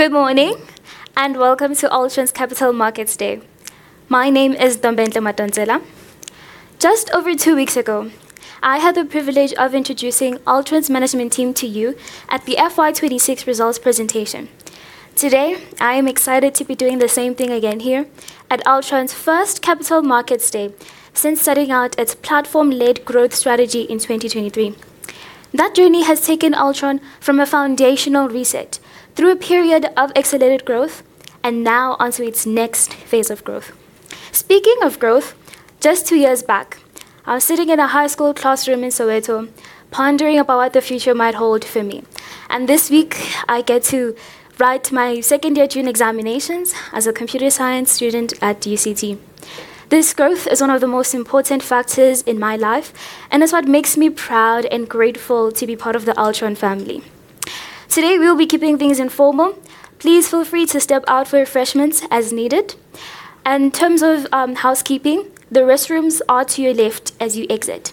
Good morning, welcome to Altron's Capital Markets Day. My name is Ntombenhle Madonsela. Just over two weeks ago, I had the privilege of introducing Altron's management team to you at the FY 2026 results presentation. Today, I am excited to be doing the same thing again here at Altron's first Capital Markets Day since setting out its platform-led growth strategy in 2023. That journey has taken Altron from a foundational reset through a period of accelerated growth and now onto its next phase of growth. Speaking of growth, just two years back, I was sitting in a high school classroom in Soweto pondering about what the future might hold for me. This week, I get to write my second-year June examinations as a computer science student at UCT. This growth is one of the most important factors in my life, and it's what makes me proud and grateful to be part of the Altron family. Today, we will be keeping things informal. Please feel free to step out for refreshments as needed. In terms of housekeeping, the restrooms are to your left as you exit.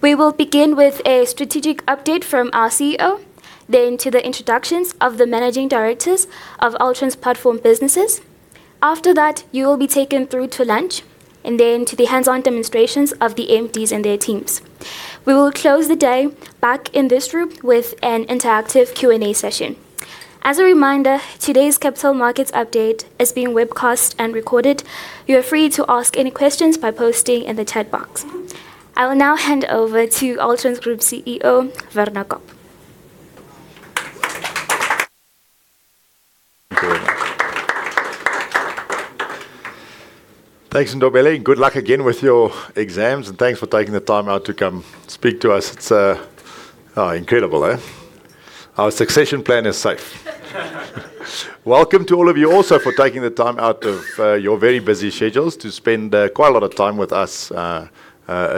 We will begin with a strategic update from our CEO, then to the introductions of the managing directors of Altron's platform businesses. After that, you will be taken through to lunch, and then to the hands-on demonstrations of the MDs and their teams. We will close the day back in this room with an interactive Q&A session. As a reminder, today's Capital Markets Update is being webcast and recorded. You are free to ask any questions by posting in the chat box. I will now hand over to Altron's Group CEO, Werner Kapp. Thank you very much. Thanks, Ntombenhle. Good luck again with your exams, and thanks for taking the time out to come speak to us. It's incredible, eh? Our succession plan is safe. Welcome to all of you also for taking the time out of your very busy schedules to spend quite a lot of time with us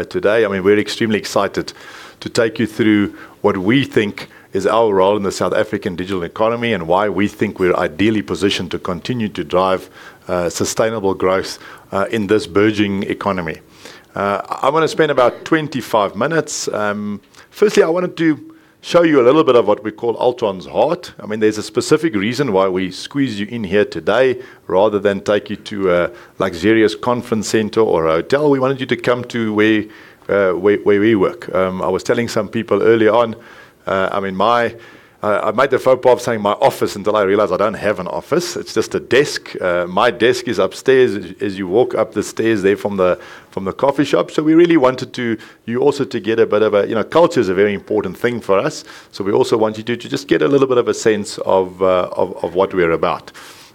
today. We're extremely excited to take you through what we think is our role in the South African digital economy and why we think we're ideally positioned to continue to drive sustainable growth in this burgeoning economy. I want to spend about 25 minutes. Firstly, I wanted to show you a little bit of what we call Altron's heart. There's a specific reason why we squeezed you in here today rather than take you to a luxurious conference center or a hotel. We wanted you to come to where we work. I was telling some people early on, I made the faux pas of saying my office until I realized I don't have an office. It's just a desk. My desk is upstairs as you walk up the stairs there from the coffee shop. We really wanted you also to get a bit of a. Culture is a very important thing for us, so we also want you to just get a little bit of a sense of what we're about.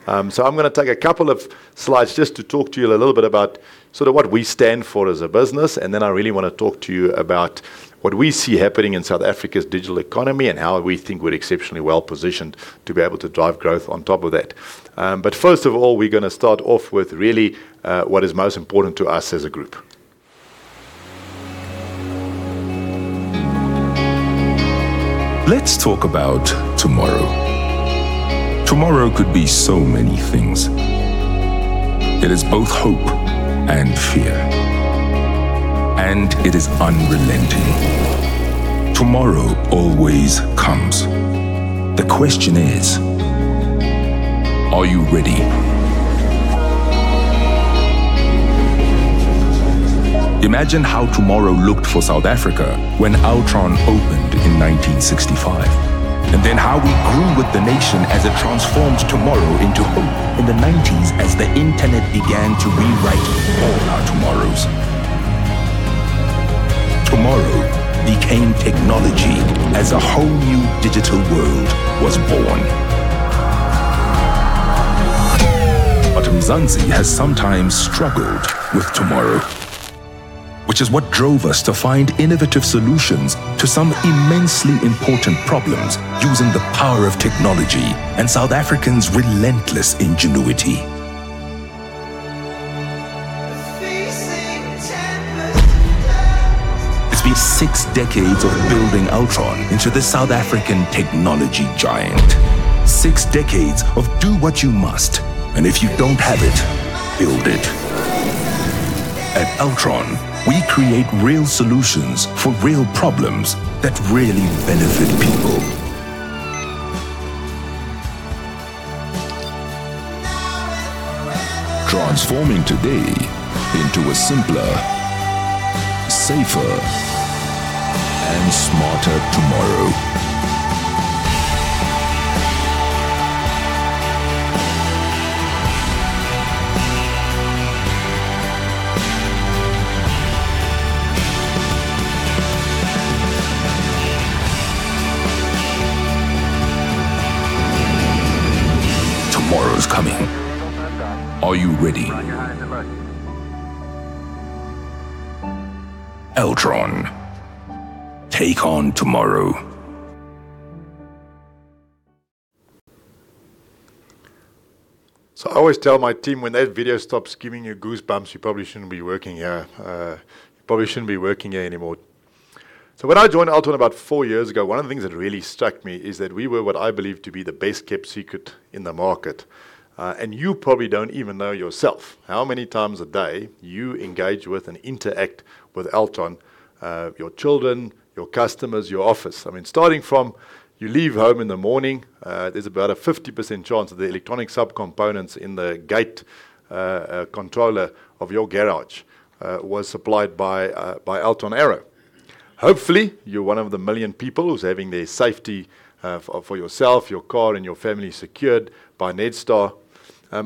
I'm going to take a couple of slides just to talk to you a little bit about sort of what we stand for as a business. Then I really want to talk to you about what we see happening in South Africa's digital economy and how we think we're exceptionally well-positioned to be able to drive growth on top of that. First of all, we're going to start off with really what is most important to us as a group. Let's talk about tomorrow. Tomorrow could be so many things. It is both hope and fear. It is unrelenting. Tomorrow always comes. The question is, are you ready? Imagine how tomorrow looked for South Africa when Altron opened in 1965. Then how we grew with the nation as it transformed tomorrow into hope. In the 90s as the internet began to rewrite all our tomorrows. Tomorrow became technology as a whole new digital world was born. Mzansi has sometimes struggled with tomorrow, which is what drove us to find innovative solutions to some immensely important problems using the power of technology and South Africans' relentless ingenuity. Facing tempest in a tempest. It's been six decades of building Altron into the South African technology giant. Six decades of do what you must, and if you don't have it, build it. At Altron, we create real solutions for real problems that really benefit people. Now and forever. Transforming today into a simpler, safer, and smarter tomorrow. Tomorrow's coming. Are you ready? I always tell my team, when that video stops giving you goosebumps, you probably shouldn't be working here. You probably shouldn't be working here anymore. When I joined Altron about four years ago, one of the things that really struck me is that we were what I believe to be the best-kept secret in the market. You probably don't even know yourself how many times a day you engage with and interact with Altron. Your children, your customers, your office. I mean, starting from you leave home in the morning, there's about a 50% chance that the electronic subcomponents in the gate controller of your garage was supplied by Altron Arrow. Hopefully, you're one of the 1 million people who's having their safety for yourself, your car, and your family secured by Netstar.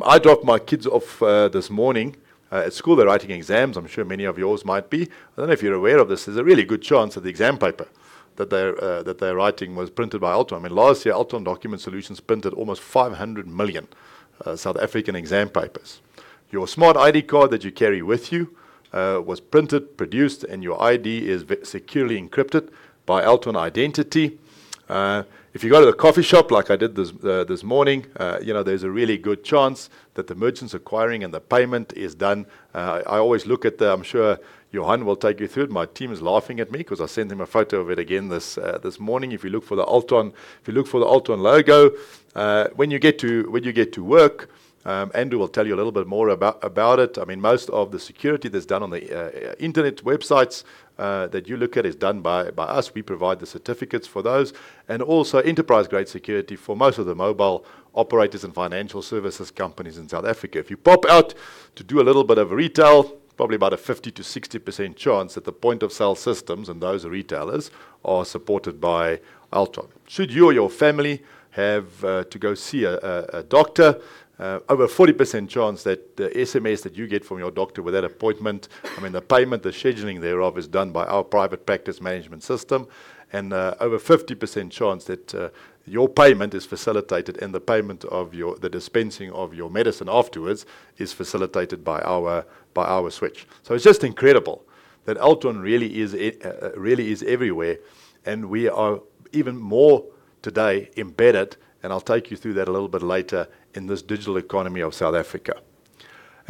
I dropped my kids off this morning at school. They're writing exams. I'm sure many of yours might be. I don't know if you're aware of this. There's a really good chance that the exam paper that they're writing was printed by Altron. Last year, Altron Document Solutions printed almost 500 million South African exam papers. Your Smart ID card that you carry with you was printed, produced, and your ID is securely encrypted by Altron Security. If you go to the coffee shop like I did this morning, there's a really good chance that the merchants acquiring and the payment is done. I'm sure Johan will take you through it. My team is laughing at me because I sent him a photo of it again this morning. If you look for the Altron logo. When you get to work, Andrew will tell you a little bit more about it. Most of the security that's done on the internet websites that you look at is done by us. We provide the certificates for those and also enterprise-grade security for most of the mobile operators and financial services companies in South Africa. If you pop out to do a little bit of retail, probably about a 50%-60% chance that the point-of-sale systems and those retailers are supported by Altron. Should you or your family have to go see a doctor, over a 40% chance that the SMS that you get from your doctor with that appointment, the payment, the scheduling thereof is done by our private practice management system. Over 50% chance that your payment is facilitated and the payment of the dispensing of your medicine afterwards is facilitated by our switch. It's just incredible that Altron really is everywhere, and we are even more today embedded, and I'll take you through that a little bit later in this digital economy of South Africa.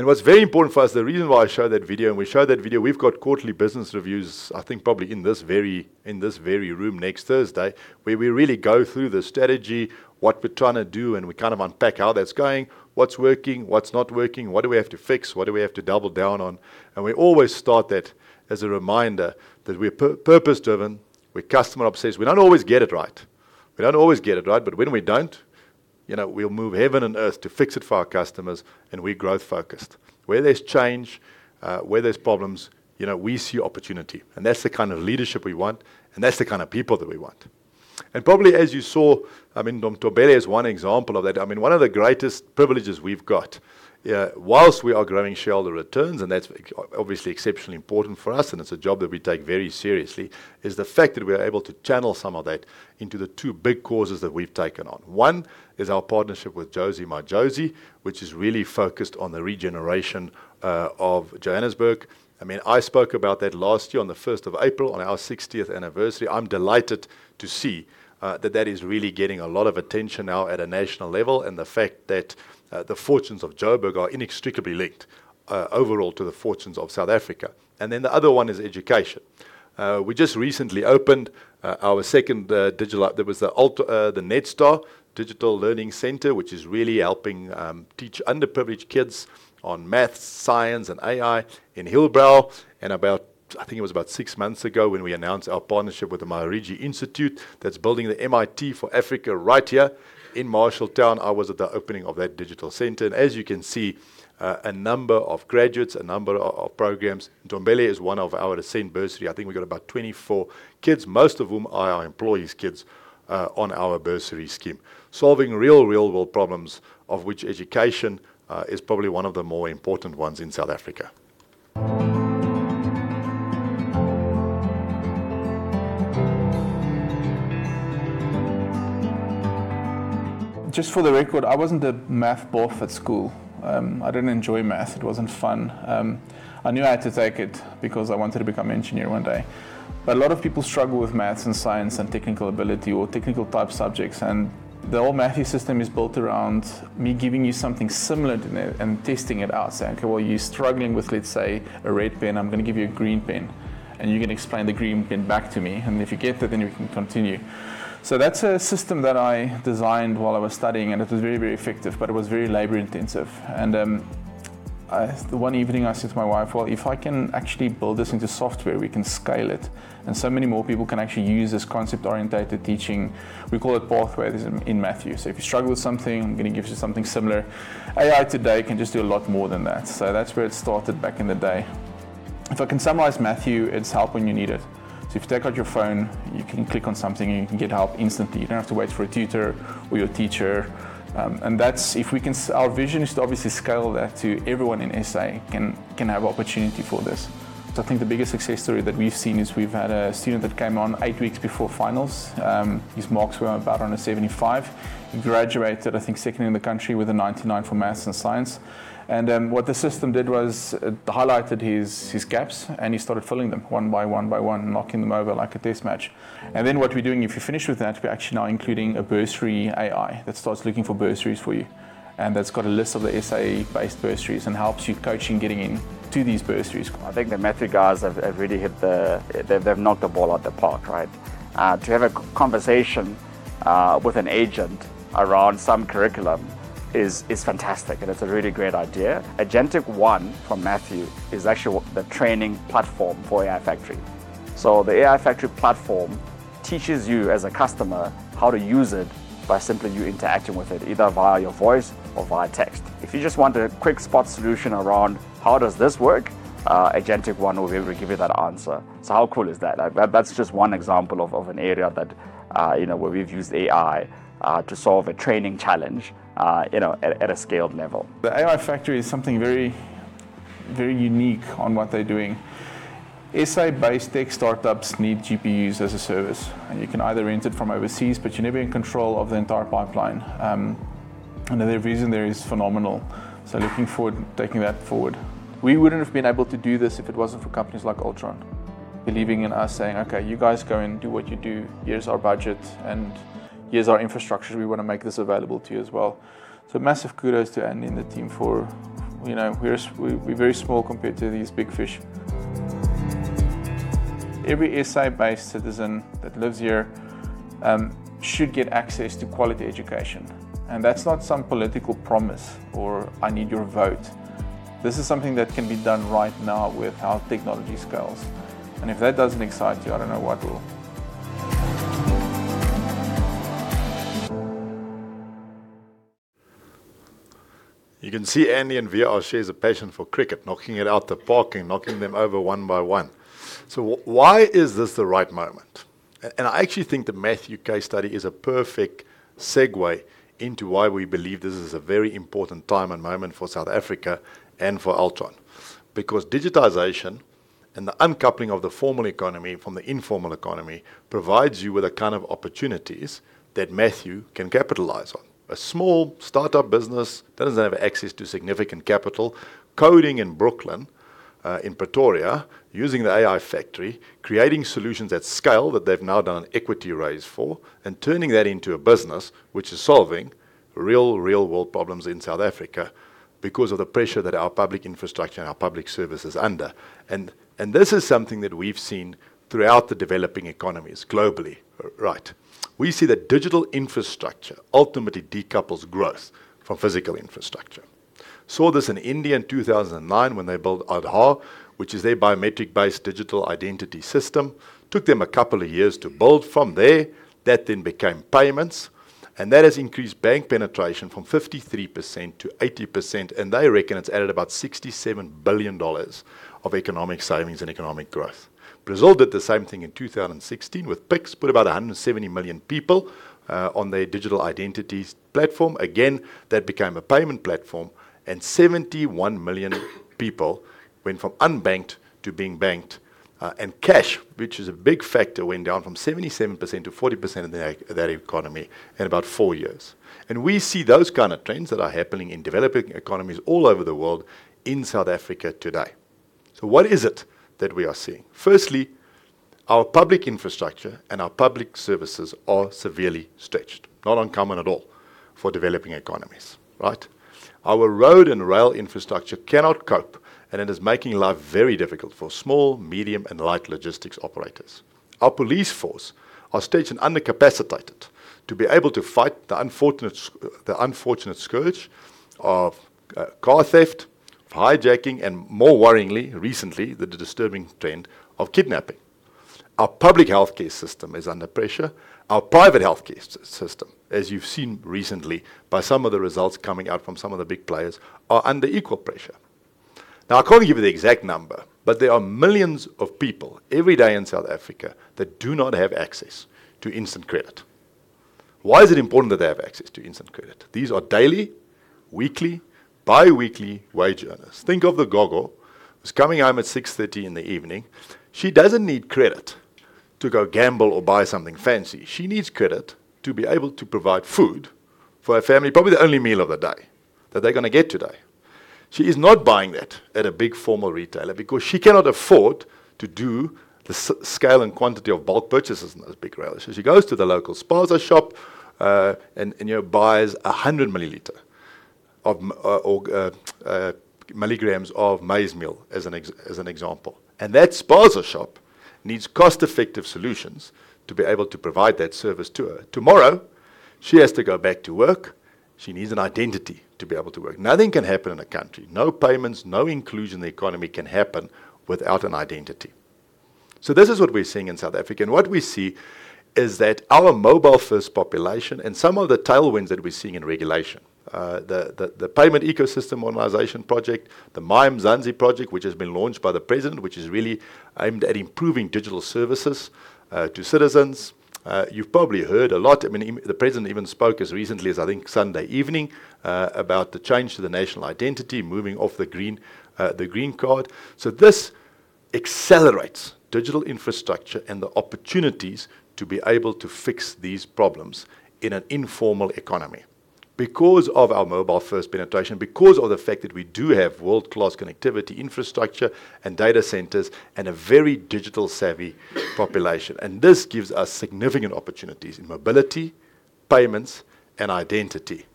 What's very important for us, the reason why I show that video and we show that video, we've got quarterly business reviews, I think probably in this very room next Thursday, where we really go through the strategy, what we're trying to do, and we kind of unpack how that's going, what's working, what's not working, what do we have to fix, what do we have to double down on. We always start that as a reminder that we're purpose-driven, we're customer obsessed. We don't always get it right. We don't always get it right, but when we don't, we'll move heaven and earth to fix it for our customers, and we're growth-focused. Where there's change, where there's problems, we see opportunity. That's the kind of leadership we want, and that's the kind of people that we want. Probably as you saw, Ntombenhle is one example of that. One of the greatest privileges we've got, whilst we are growing shareholder returns, and that's obviously exceptionally important for us, and it's a job that we take very seriously, is the fact that we are able to channel some of that into the two big causes that we've taken on. One is our partnership with Jozi My Jozi, which is really focused on the regeneration of Johannesburg. I spoke about that last year on the 1st of April on our 60th anniversary. I'm delighted to see that that is really getting a lot of attention now at a national level, and the fact that the fortunes of Joburg are inextricably linked overall to the fortunes of South Africa. The other one is education. We just recently opened our second digital-- There was the Netstar Digital Learning Centre, which is really helping teach underprivileged kids on math, science, and AI in Hillbrow. About, I think it was about six months ago when we announced our partnership with the Maharishi Invincibility Institute that's building the MIT for Africa right here in Marshalltown. I was at the opening of that digital center. As you can see, a number of graduates, a number of programs. Ntombenhle is one of our Ascent Bursary. I think we've got about 24 kids, most of whom are our employees' kids, on our bursary scheme. Solving real-world problems, of which education is probably one of the more important ones in South Africa. Just for the record, I wasn't a math buff at school. I didn't enjoy math. It wasn't fun. I knew I had to take it because I wanted to become an engineer one day. A lot of people struggle with math and science and technical ability or technical type subjects. The whole Matthew system is built around me giving you something similar to it and testing it out. Say, okay, well, you're struggling with, let's say, a red pen. I'm going to give you a green pen, and you're going to explain the green pen back to me. If you get that, then we can continue. That's a system that I designed while I was studying, and it was very, very effective, but it was very labor intensive. The one evening I said to my wife, "Well, if I can actually build this into software, we can scale it. And so many more people can actually use this concept-oriented teaching." We call it pathway in Matthew. If you struggle with something, I'm going to give you something similar. AI today can just do a lot more than that. That's where it started back in the day. If I can summarize Matthew, it's help when you need it. If you take out your phone, you can click on something, and you can get help instantly. You don't have to wait for a tutor or your teacher. Our vision is to obviously scale that to everyone in SA can have opportunity for this. I think the biggest success story that we've seen is we've had a student that came on eight weeks before finals. His marks were about on a 75. He graduated, I think, second in the country with a 99 for math and science. What the system did was it highlighted his gaps, and he started filling them one by one by one, knocking them over like a test match. What we're doing, if you're finished with that, we're actually now including a bursary AI that starts looking for bursaries for you. That's got a list of the SA-based bursaries and helps you coach in getting in to these bursaries. I think the Matthew guys have really, they've knocked the ball out the park, right? To have a conversation with an agent around some curriculum is fantastic, and it's a really great idea. Agentic One from Matthew is actually the training platform for AI Factory. The AI Factory platform teaches you as a customer how to use it by simply you interacting with it, either via your voice or via text. If you just want a quick spot solution around how does this work, Agentic One will be able to give you that answer. How cool is that? That's just one example of an area where we've used AI to solve a training challenge at a scaled level. The AI Factory is something very unique on what they're doing. SA-based tech startups need GPUs as a service, and you can either rent it from overseas, but you're never in control of the entire pipeline. Their vision there is phenomenal. Looking forward to taking that forward. We wouldn't have been able to do this if it wasn't for companies like Altron believing in us, saying, "Okay, you guys go and do what you do. Here's our budget and here's our infrastructure. We want to make this available to you as well." Massive kudos to Andy and the team. We're very small compared to these big fish. Every SA-based citizen that lives here should get access to quality education, and that's not some political promise or I need your vote. This is something that can be done right now with how technology scales. If that doesn't excite you, I don't know what will. You can see Andy and Via share a passion for cricket, knocking it out the park and knocking them over one by one. Why is this the right moment? I actually think the Matthew case study is a perfect segue into why we believe this is a very important time and moment for South Africa and for Altron. Digitization and the uncoupling of the formal economy from the informal economy provides you with the kind of opportunities that Matthew can capitalize on. A small startup business doesn't have access to significant capital. Coding in Brooklyn, in Pretoria, using the AI Factory, creating solutions at scale that they've now done an equity raise for, and turning that into a business which is solving real-world problems in South Africa because of the pressure that our public infrastructure and our public service is under. This is something that we've seen throughout the developing economies globally, right? We see that digital infrastructure ultimately decouples growth from physical infrastructure. Saw this in India in 2009 when they built Aadhaar, which is their biometric-based digital identity system. Took them a couple of years to build. From there, that then became payments, and that has increased bank penetration from 53% to 80%, and they reckon it's added about $67 billion of economic savings and economic growth. Brazil did the same thing in 2016 with Pix, put about 170 million people on their digital identities platform. Again, that became a payment platform, and 71 million people went from unbanked to being banked. Cash, which is a big factor, went down from 77% to 40% in their economy in about four years. We see those kind of trends that are happening in developing economies all over the world in South Africa today. What is it that we are seeing? Firstly, our public infrastructure and our public services are severely stretched. Not uncommon at all for developing economies, right? Our road and rail infrastructure cannot cope, and it is making life very difficult for small, medium, and light logistics operators. Our police force are stretched and under-capacitated to be able to fight the unfortunate scourge of car theft, hijacking, and more worryingly, recently, the disturbing trend of kidnapping. Our public healthcare system is under pressure. Our private healthcare system, as you've seen recently by some of the results coming out from some of the big players, are under equal pressure. I can't give you the exact number, but there are millions of people every day in South Africa that do not have access to instant credit. Why is it important that they have access to instant credit? These are daily, weekly, biweekly wage earners. Think of the gogo who's coming home at 6:30 P.M. She doesn't need credit to go gamble or buy something fancy. She needs credit to be able to provide food for her family, probably the only meal of the day that they're going to get today. She is not buying that at a big formal retailer because she cannot afford to do the scale and quantity of bulk purchases in those big retailers. She goes to the local spaza shop and buys 100 milliliter, or milligrams of maize meal as an example. That spaza shop needs cost-effective solutions to be able to provide that service to her. Tomorrow, she has to go back to work. She needs an identity to be able to work. Nothing can happen in a country, no payments, no inclusion in the economy can happen without an identity. This is what we're seeing in South Africa. What we see is that our mobile-first population and some of the tailwinds that we're seeing in regulation, the Payments Ecosystem Modernisation project, the MyMzansi project, which has been launched by the president, which is really aimed at improving digital services to citizens. You've probably heard a lot, the president even spoke as recently as, I think, Sunday evening about the change to the national identity, moving off the green card. This accelerates digital infrastructure and the opportunities to be able to fix these problems in an informal economy because of our mobile-first penetration, because of the fact that we do have world-class connectivity infrastructure and data centers, and a very digital-savvy population. This gives us significant opportunities in mobility, payments and identity,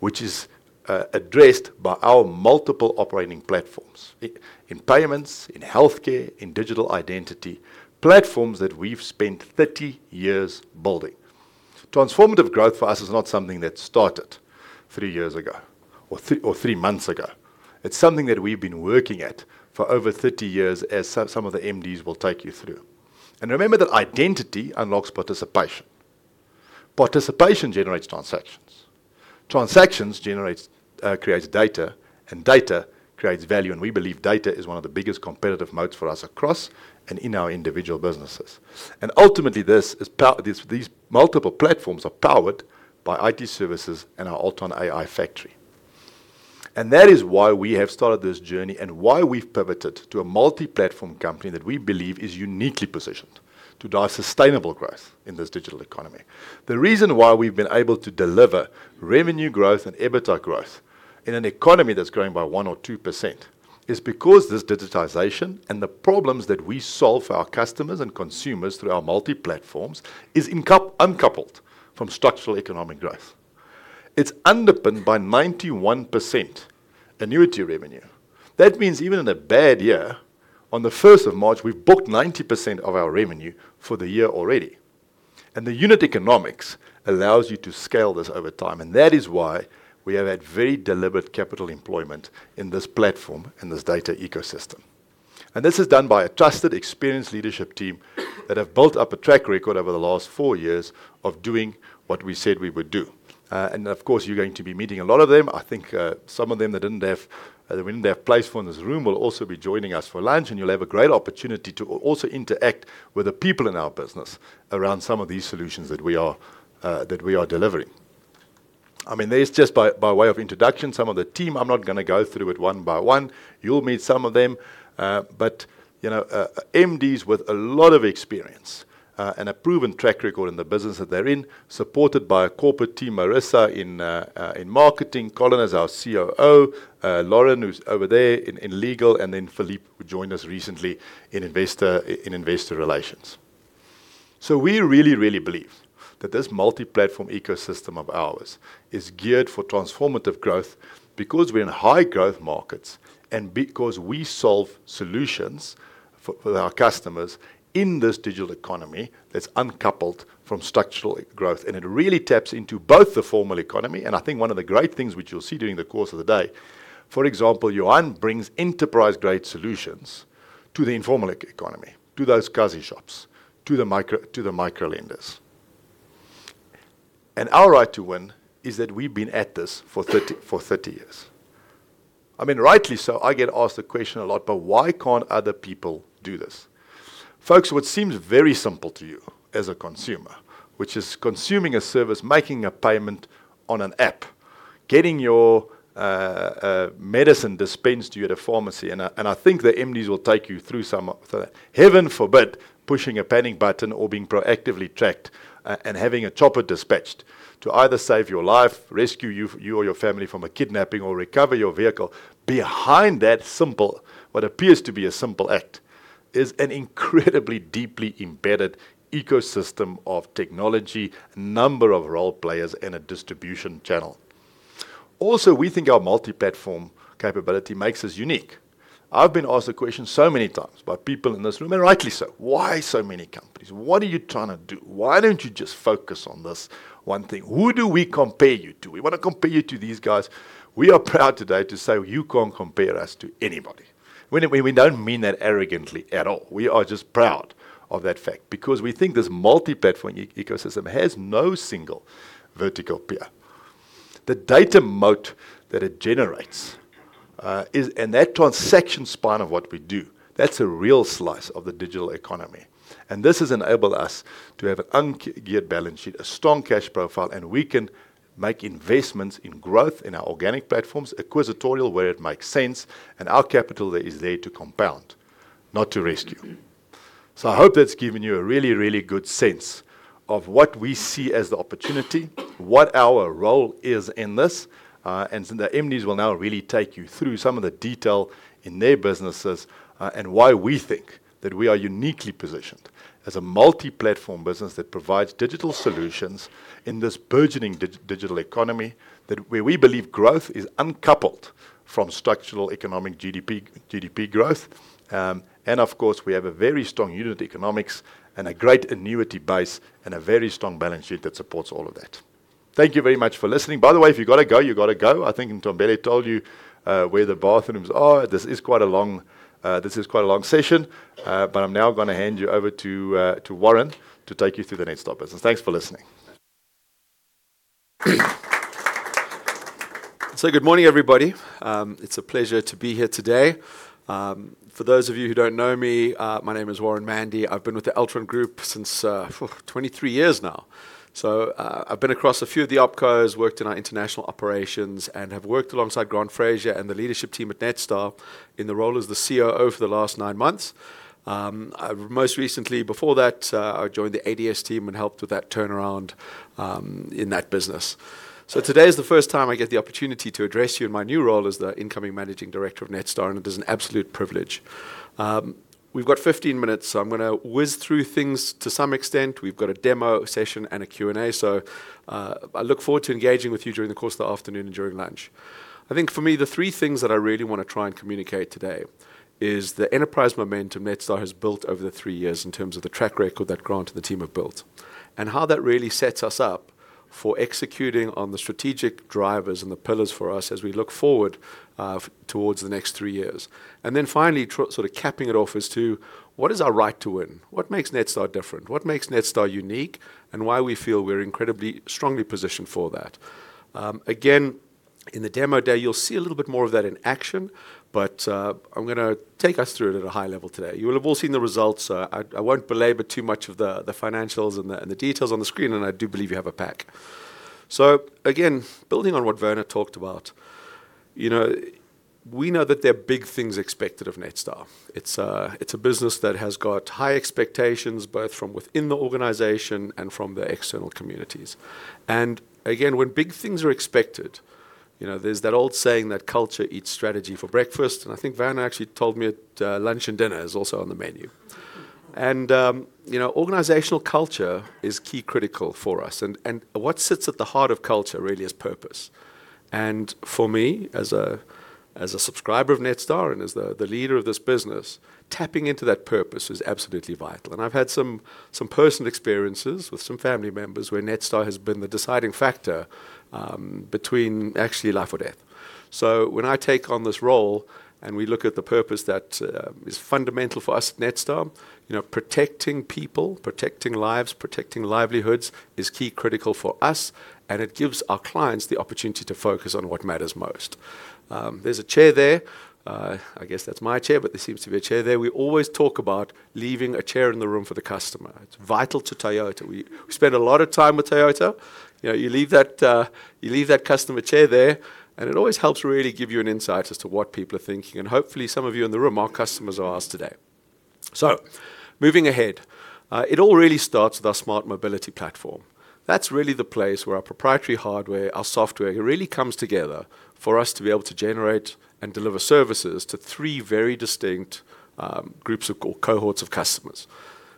which is addressed by our multiple operating platforms. In payments, in healthcare, in digital identity, platforms that we've spent 30 years building. Transformative growth for us is not something that started three years ago or three months ago. It's something that we've been working at for over 30 years as some of the MDs will take you through. Remember that identity unlocks participation. Participation generates transactions. Transactions creates data, and data creates value. We believe data is one of the biggest competitive moats for us across and in our individual businesses. Ultimately, these multiple platforms are powered by IT services and our Altron AI Factory. That is why we have started this journey and why we've pivoted to a multi-platform company that we believe is uniquely positioned to drive sustainable growth in this digital economy. The reason why we've been able to deliver revenue growth and EBITDA growth in an economy that's growing by 1% or 2% is because this digitization and the problems that we solve for our customers and consumers through our multi-platforms is uncoupled from structural economic growth. It's underpinned by 91% annuity revenue. That means even in a bad year, on the 1st of March, we've booked 90% of our revenue for the year already. The unit economics allows you to scale this over time. That is why we have had very deliberate capital employment in this platform, in this data ecosystem. This is done by a trusted, experienced leadership team that have built up a track record over the last four years of doing what we said we would do. Of course, you're going to be meeting a lot of them. I think some of them that they wouldn't have place for in this room will also be joining us for lunch, and you'll have a great opportunity to also interact with the people in our business around some of these solutions that we are delivering. There's just by way of introduction, some of the team. I'm not going to go through it one by one. You'll meet some of them. MDs with a lot of experience and a proven track record in the business that they're in, supported by a corporate team, Marisa in marketing. Collin is our COO. Lauren, who's over there in legal, then Philippe, who joined us recently in investor relations. We really, really believe that this multi-platform ecosystem of ours is geared for transformative growth because we're in high growth markets and because we solve solutions for our customers in this digital economy that's uncoupled from structural growth. It really taps into both the formal economy, I think one of the great things which you'll see during the course of the day. For example, Johan brings enterprise-grade solutions to the informal economy, to those kasi shops, to the micro lenders. Our right to win is that we've been at this for 30 years. Rightly so, I get asked the question a lot, "Why can't other people do this?" Folks, what seems very simple to you as a consumer. Which is consuming a service, making a payment on an app, getting your medicine dispensed to you at a pharmacy. I think the MDs will take you through some of the, heaven forbid, pushing a panic button or being proactively tracked and having a chopper dispatched to either save your life, rescue you or your family from a kidnapping, or recover your vehicle. Behind that simple, what appears to be a simple act, is an incredibly deeply embedded ecosystem of technology, a number of role players, and a distribution channel. We think our multi-platform capability makes us unique. I've been asked the question so many times by people in this room, rightly so. "Why so many companies? What are you trying to do? Why don't you just focus on this one thing? Who do we compare you to? We want to compare you to these guys." We are proud today to say you can't compare us to anybody. We don't mean that arrogantly at all. We are just proud of that fact because we think this multi-platform ecosystem has no single vertical peer. The data moat that it generates and that transaction spine of what we do, that's a real slice of the digital economy. This has enabled us to have an ungeared balance sheet, a strong cash profile. We can make investments in growth in our organic platforms, acquisitorial where it makes sense, and our capital is there to compound, not to rescue. I hope that's given you a really, really good sense of what we see as the opportunity, what our role is in this. The MDs will now really take you through some of the detail in their businesses and why we think that we are uniquely positioned as a multi-platform business that provides digital solutions in this burgeoning digital economy. That where we believe growth is uncoupled from structural economic GDP growth. Of course, we have a very strong unit economics and a great annuity base and a very strong balance sheet that supports all of that. Thank you very much for listening. By the way, if you've got to go, you've got to go. I think Ntombenhle told you where the bathrooms are. This is quite a long session. I'm now going to hand you over to Warren to take you through the Netstar business. Thanks for listening. Good morning, everybody. It's a pleasure to be here today. For those of you who don't know me, my name is Warren Mande. I've been with the Altron group for 23 years now. I've been across a few of the opcos, worked in our international operations, and have worked alongside Grant Fraser and the leadership team at Netstar in the role as the COO for the last nine months. Most recently, before that, I joined the ADS team and helped with that turnaround in that business. Today is the first time I get the opportunity to address you in my new role as the incoming managing director of Netstar, and it is an absolute privilege. We've got 15 minutes, I'm going to whiz through things to some extent. We've got a demo session and a Q&A. I look forward to engaging with you during the course of the afternoon and during lunch. I think for me, the three things that I really want to try and communicate today is the enterprise momentum Netstar has built over the three years in terms of the track record that Grant and the team have built, and how that really sets us up for executing on the strategic drivers and the pillars for us as we look forward towards the next three years. Then finally, capping it off as to what is our right to win, what makes Netstar different, what makes Netstar unique, and why we feel we're incredibly strongly positioned for that. Again, in the demo today, you'll see a little bit more of that in action. I'm going to take us through it at a high level today. You will have all seen the results, I won't belabor too much of the financials and the details on the screen, and I do believe you have a pack. Again, building on what Werner talked about, we know that there are big things expected of Netstar. It's a business that has got high expectations both from within the organization and from the external communities. Again, when big things are expected, there's that old saying that culture eats strategy for breakfast, and I think Werner actually told me that lunch and dinner is also on the menu. Organizational culture is key critical for us. What sits at the heart of culture really is purpose. For me, as a subscriber of Netstar and as the leader of this business, tapping into that purpose is absolutely vital. I've had some personal experiences with some family members where Netstar has been the deciding factor between actually life or death. When I take on this role and we look at the purpose that is fundamental for us at Netstar, protecting people, protecting lives, protecting livelihoods is key critical for us, and it gives our clients the opportunity to focus on what matters most. There's a chair there. I guess that's my chair, but there seems to be a chair there. We always talk about leaving a chair in the room for the customer. It's vital to Toyota. We spend a lot of time with Toyota. You leave that customer chair there, it always helps really give you an insight as to what people are thinking, and hopefully some of you in the room are customers of ours today. Moving ahead. It all really starts with our smart mobility platform. That's really the place where our proprietary hardware, our software really comes together for us to be able to generate and deliver services to three very distinct groups of cohorts of customers.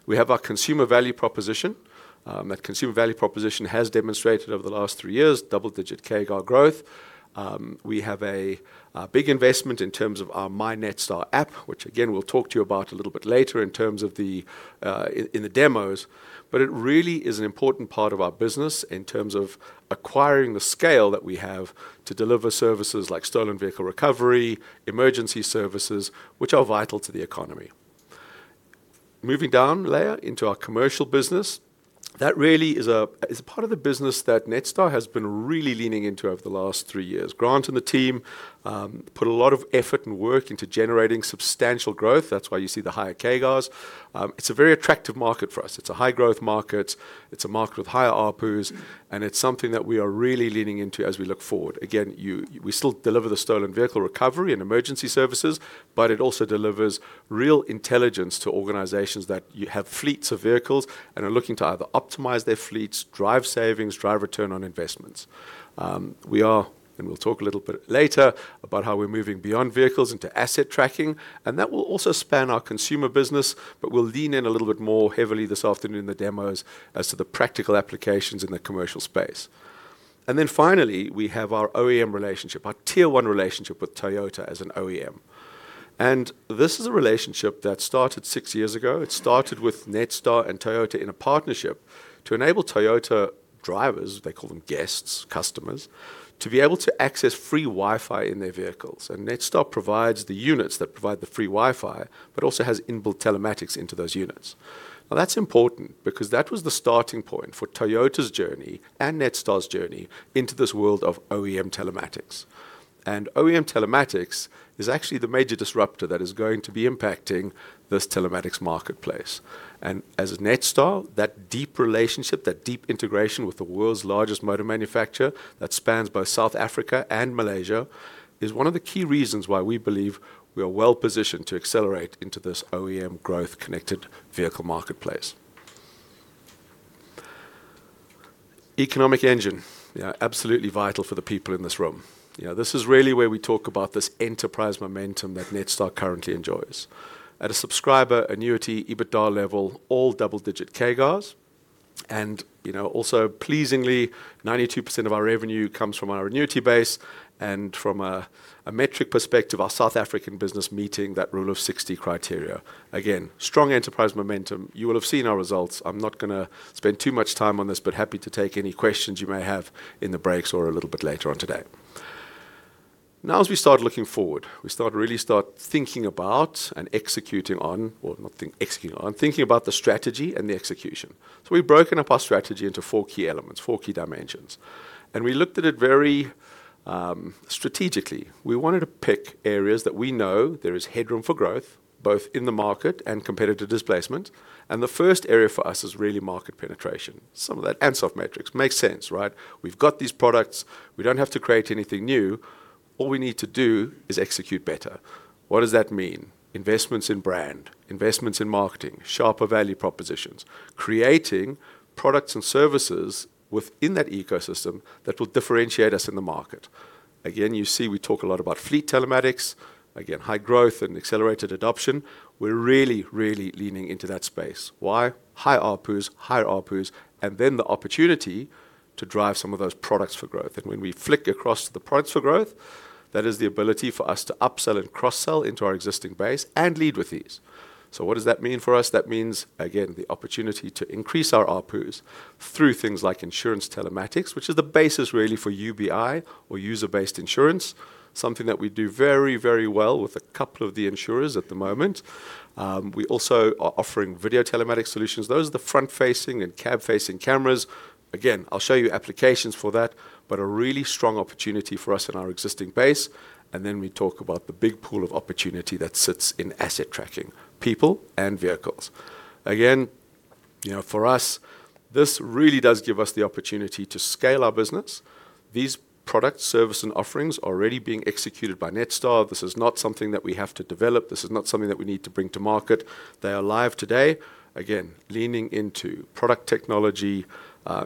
We have our consumer value proposition. That consumer value proposition has demonstrated over the last three years double-digit CAGR growth. We have a big investment in terms of our MyNetstar app, which again, we'll talk to you about a little bit later in the demos. It really is an important part of our business in terms of acquiring the scale that we have to deliver services like stolen vehicle recovery, emergency services, which are vital to the economy. Moving down layer into our commercial business. That really is a part of the business that Netstar has been really leaning into over the last three years. Grant and the team put a lot of effort and work into generating substantial growth. That's why you see the higher CAGRs. It's a very attractive market for us. It's a high growth market. It's a market with higher ARPU, it's something that we are really leaning into as we look forward. Again, we still deliver the stolen vehicle recovery and emergency services. It also delivers real intelligence to organizations that you have fleets of vehicles and are looking to either optimize their fleets, drive savings, drive return on investments. We are, and we'll talk a little bit later about how we're moving beyond vehicles into asset tracking, and that will also span our consumer business, but we'll lean in a little bit more heavily this afternoon in the demos as to the practical applications in the commercial space. Then finally, we have our OEM relationship, our Tier 1 relationship with Toyota as an OEM. This is a relationship that started six years ago. It started with Netstar and Toyota in a partnership to enable Toyota drivers, they call them guests, customers, to be able to access free Wi-Fi in their vehicles. Netstar provides the units that provide the free Wi-Fi but also has inbuilt telematics into those units. That's important because that was the starting point for Toyota's journey and Netstar's journey into this world of OEM telematics. OEM telematics is actually the major disruptor that is going to be impacting this telematics marketplace. As Netstar, that deep relationship, that deep integration with the world's largest motor manufacturer that spans both South Africa and Malaysia, is one of the key reasons why we believe we are well-positioned to accelerate into this OEM growth connected vehicle marketplace. Economic engine. Absolutely vital for the people in this room. This is really where we talk about this enterprise momentum that Netstar currently enjoys. At a subscriber, annuity, EBITDA level, all double-digit CAGRs. Also pleasingly, 92% of our revenue comes from our annuity base and from a metric perspective, our South African business meeting that rule of 60 criteria. Strong enterprise momentum. You will have seen our results. I am not going to spend too much time on this, but happy to take any questions you may have in the breaks or a little bit later on today. As we start looking forward, we really start thinking about the strategy and the execution. We've broken up our strategy into four key elements, four key dimensions, and we looked at it very strategically. We wanted to pick areas that we know there is headroom for growth, both in the market and competitive displacement. The first area for us is really market penetration. Some of that Ansoff Matrix. Makes sense, right? We've got these products. We do not have to create anything new. All we need to do is execute better. What does that mean? Investments in brand, investments in marketing, sharper value propositions. Creating products and services within that ecosystem that will differentiate us in the market. You see we talk a lot about fleet telematics. High growth and accelerated adoption. We're really leaning into that space. Why? High ARPUs, higher ARPUs, the opportunity to drive some of those products for growth. When we flick across to the products for growth, that is the ability for us to upsell and cross-sell into our existing base and lead with ease. What does that mean for us? That means the opportunity to increase our ARPUs through things like insurance telematics, which is the basis really for UBI or user-based insurance, something that we do very well with a couple of the insurers at the moment. We also are offering video telematics solutions. Those are the front-facing and cab-facing cameras. I will show you applications for that, but a really strong opportunity for us in our existing base. We talk about the big pool of opportunity that sits in asset tracking, people and vehicles. For us, this really does give us the opportunity to scale our business. These products, service, and offerings are already being executed by Netstar. This is not something that we have to develop. This is not something that we need to bring to market. They are live today. Leaning into product technology,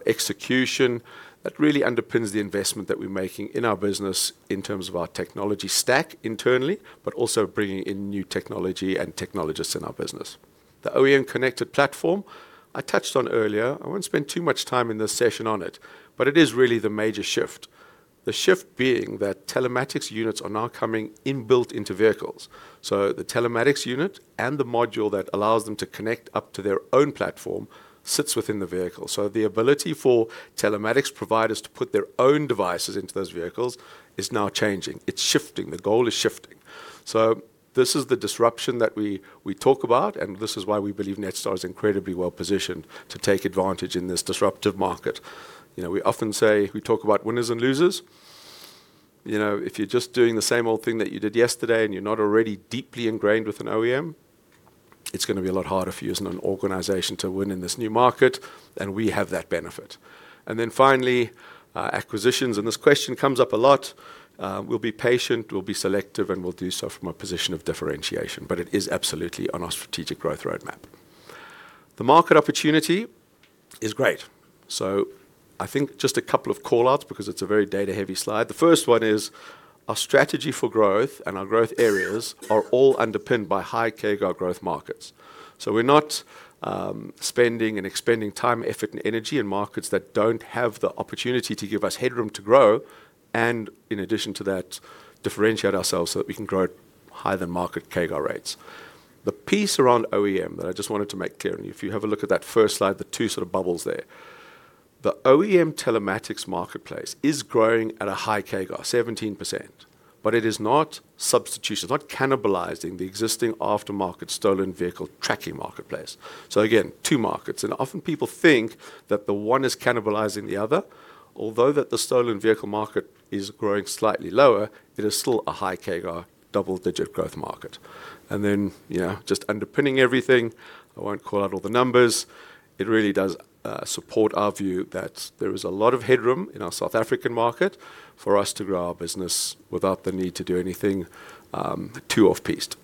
execution. That really underpins the investment that we're making in our business in terms of our technology stack internally, but also bringing in new technology and technologists in our business. The OEM connected platform I touched on earlier. I will not spend too much time in this session on it, but it is really the major shift. The shift being that telematics units are now coming inbuilt into vehicles. The telematics unit and the module that allows them to connect up to their own platform sits within the vehicle. The ability for telematics providers to put their own devices into those vehicles is now changing. It's shifting. The goal is shifting. This is the disruption that we talk about, this is why we believe Netstar is incredibly well-positioned to take advantage in this disruptive market. We often say we talk about winners and losers. If you're just doing the same old thing that you did yesterday and you're not already deeply ingrained with an OEM, it's going to be a lot harder for you as an organization to win in this new market, and we have that benefit. Finally, acquisitions, this question comes up a lot. We'll be patient, we'll be selective, and we'll do so from a position of differentiation, but it is absolutely on our strategic growth roadmap. The market opportunity is great. I think just a couple of call-outs because it's a very data-heavy slide. The first one is our strategy for growth and our growth areas are all underpinned by high CAGR growth markets. We're not spending and expending time, effort, and energy in markets that don't have the opportunity to give us headroom to grow, and in addition to that, differentiate ourselves so that we can grow at higher than market CAGR rates. The piece around OEM that I just wanted to make clear, if you have a look at that first slide, the two sort of bubbles there. The OEM telematics marketplace is growing at a high CAGR, 17%, but it is not substitution, it's not cannibalizing the existing aftermarket stolen vehicle tracking marketplace. Again, two markets, often people think that the one is cannibalizing the other. Although the stolen vehicle market is growing slightly lower, it is still a high CAGR double-digit growth market. Just underpinning everything, I won't call out all the numbers. It really does support our view that there is a lot of headroom in our South African market for us to grow our business without the need to do anything too off-piste.